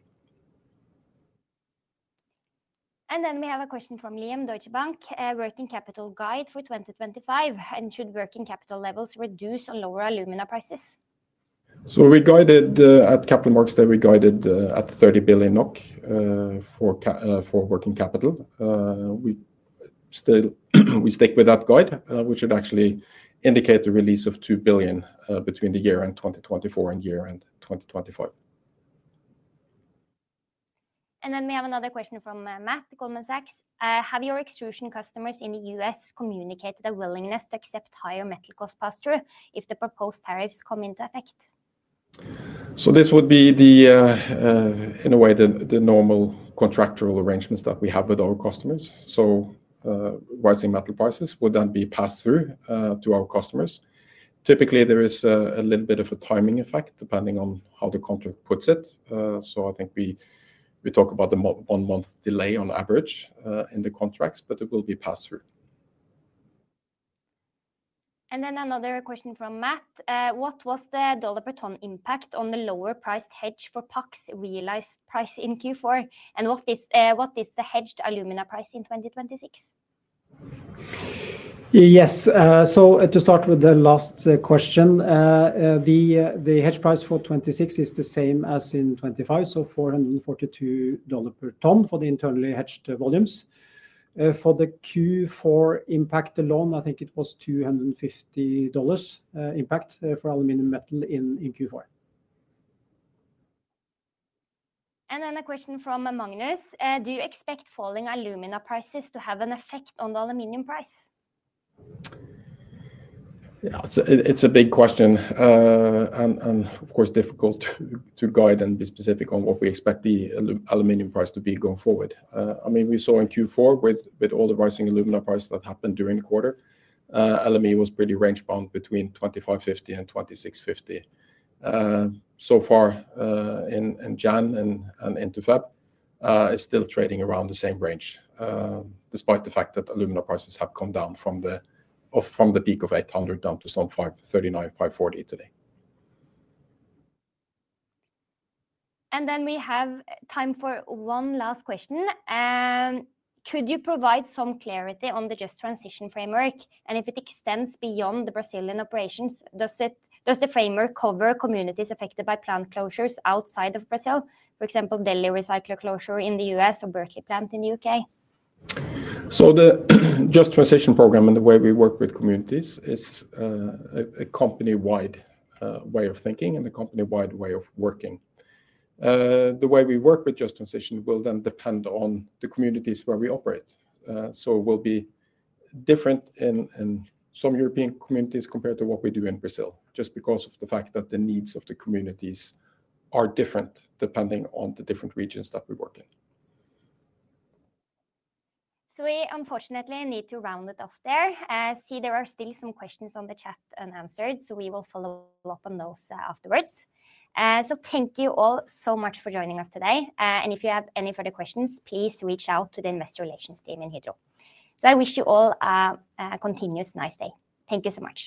We have a question from Liam, Deutsche Bank, a working capital guide for 2025. And should working capital levels reduce or lower alumina prices? We guided at Capital Markets Day, we guided at 30 billion NOK for working capital. We still stick with that guide. We should actually indicate the release of 2 billion between year-end 2024 and year-end 2025. We have another question from Matt, Goldman Sachs. Have your extrusion customers in the U.S. communicated their willingness to accept higher metal cost pass-through if the proposed tariffs come into effect? This would be the, in a way, the normal contractual arrangements that we have with our customers. Rising metal prices would then be passed through to our customers. Typically, there is a little bit of a timing effect depending on how the contract puts it. I think we talk about the one-month delay on average in the contracts, but it will be passed through. Then another question from Matt. What was the dollar per ton impact on the lower priced hedge for PAX realized price in Q4? And what is the hedged alumina price in 2026? Yes, so to start with the last question, the hedge price for 2026 is the same as in 2025, so $442 per ton for the internally hedged volumes. For the Q4 impact alone, I think it was $250 impact for aluminum metal in Q4. Then a question from Magnus. Do you expect falling alumina prices to have an effect on the aluminum price? Yeah, it's a big question. And of course, difficult to guide and be specific on what we expect the aluminum price to be going forward. I mean, we saw in Q4 with all the rising alumina price that happened during the quarter, alumina was pretty range-bound between 2550 and 2650. So far, in January and into February, it's still trading around the same range, despite the fact that alumina prices have come down from the peak of 800 down to some 539, 540 today. And then we have time for one last question. Could you provide some clarity on the just transition framework? And if it extends beyond the Brazilian operations, does the framework cover communities affected by plant closures outside of Brazil? For example, Delhi Recycler Closure in the U.S. or Berkeley Plant in the U.K. So, the just transition program and the way we work with communities is a company-wide way of thinking and a company-wide way of working. The way we work with just transition will then depend on the communities where we operate. So, it will be different in some European communities compared to what we do in Brazil, just because of the fact that the needs of the communities are different depending on the different regions that we work in. So, we unfortunately need to round it off there. I see there are still some questions on the chat unanswered, so we will follow up on those afterwards. So, thank you all so much for joining us today. And if you have any further questions, please reach out to the Investor Relations team in Hydro. I wish you all a continuous nice day. Thank you so much.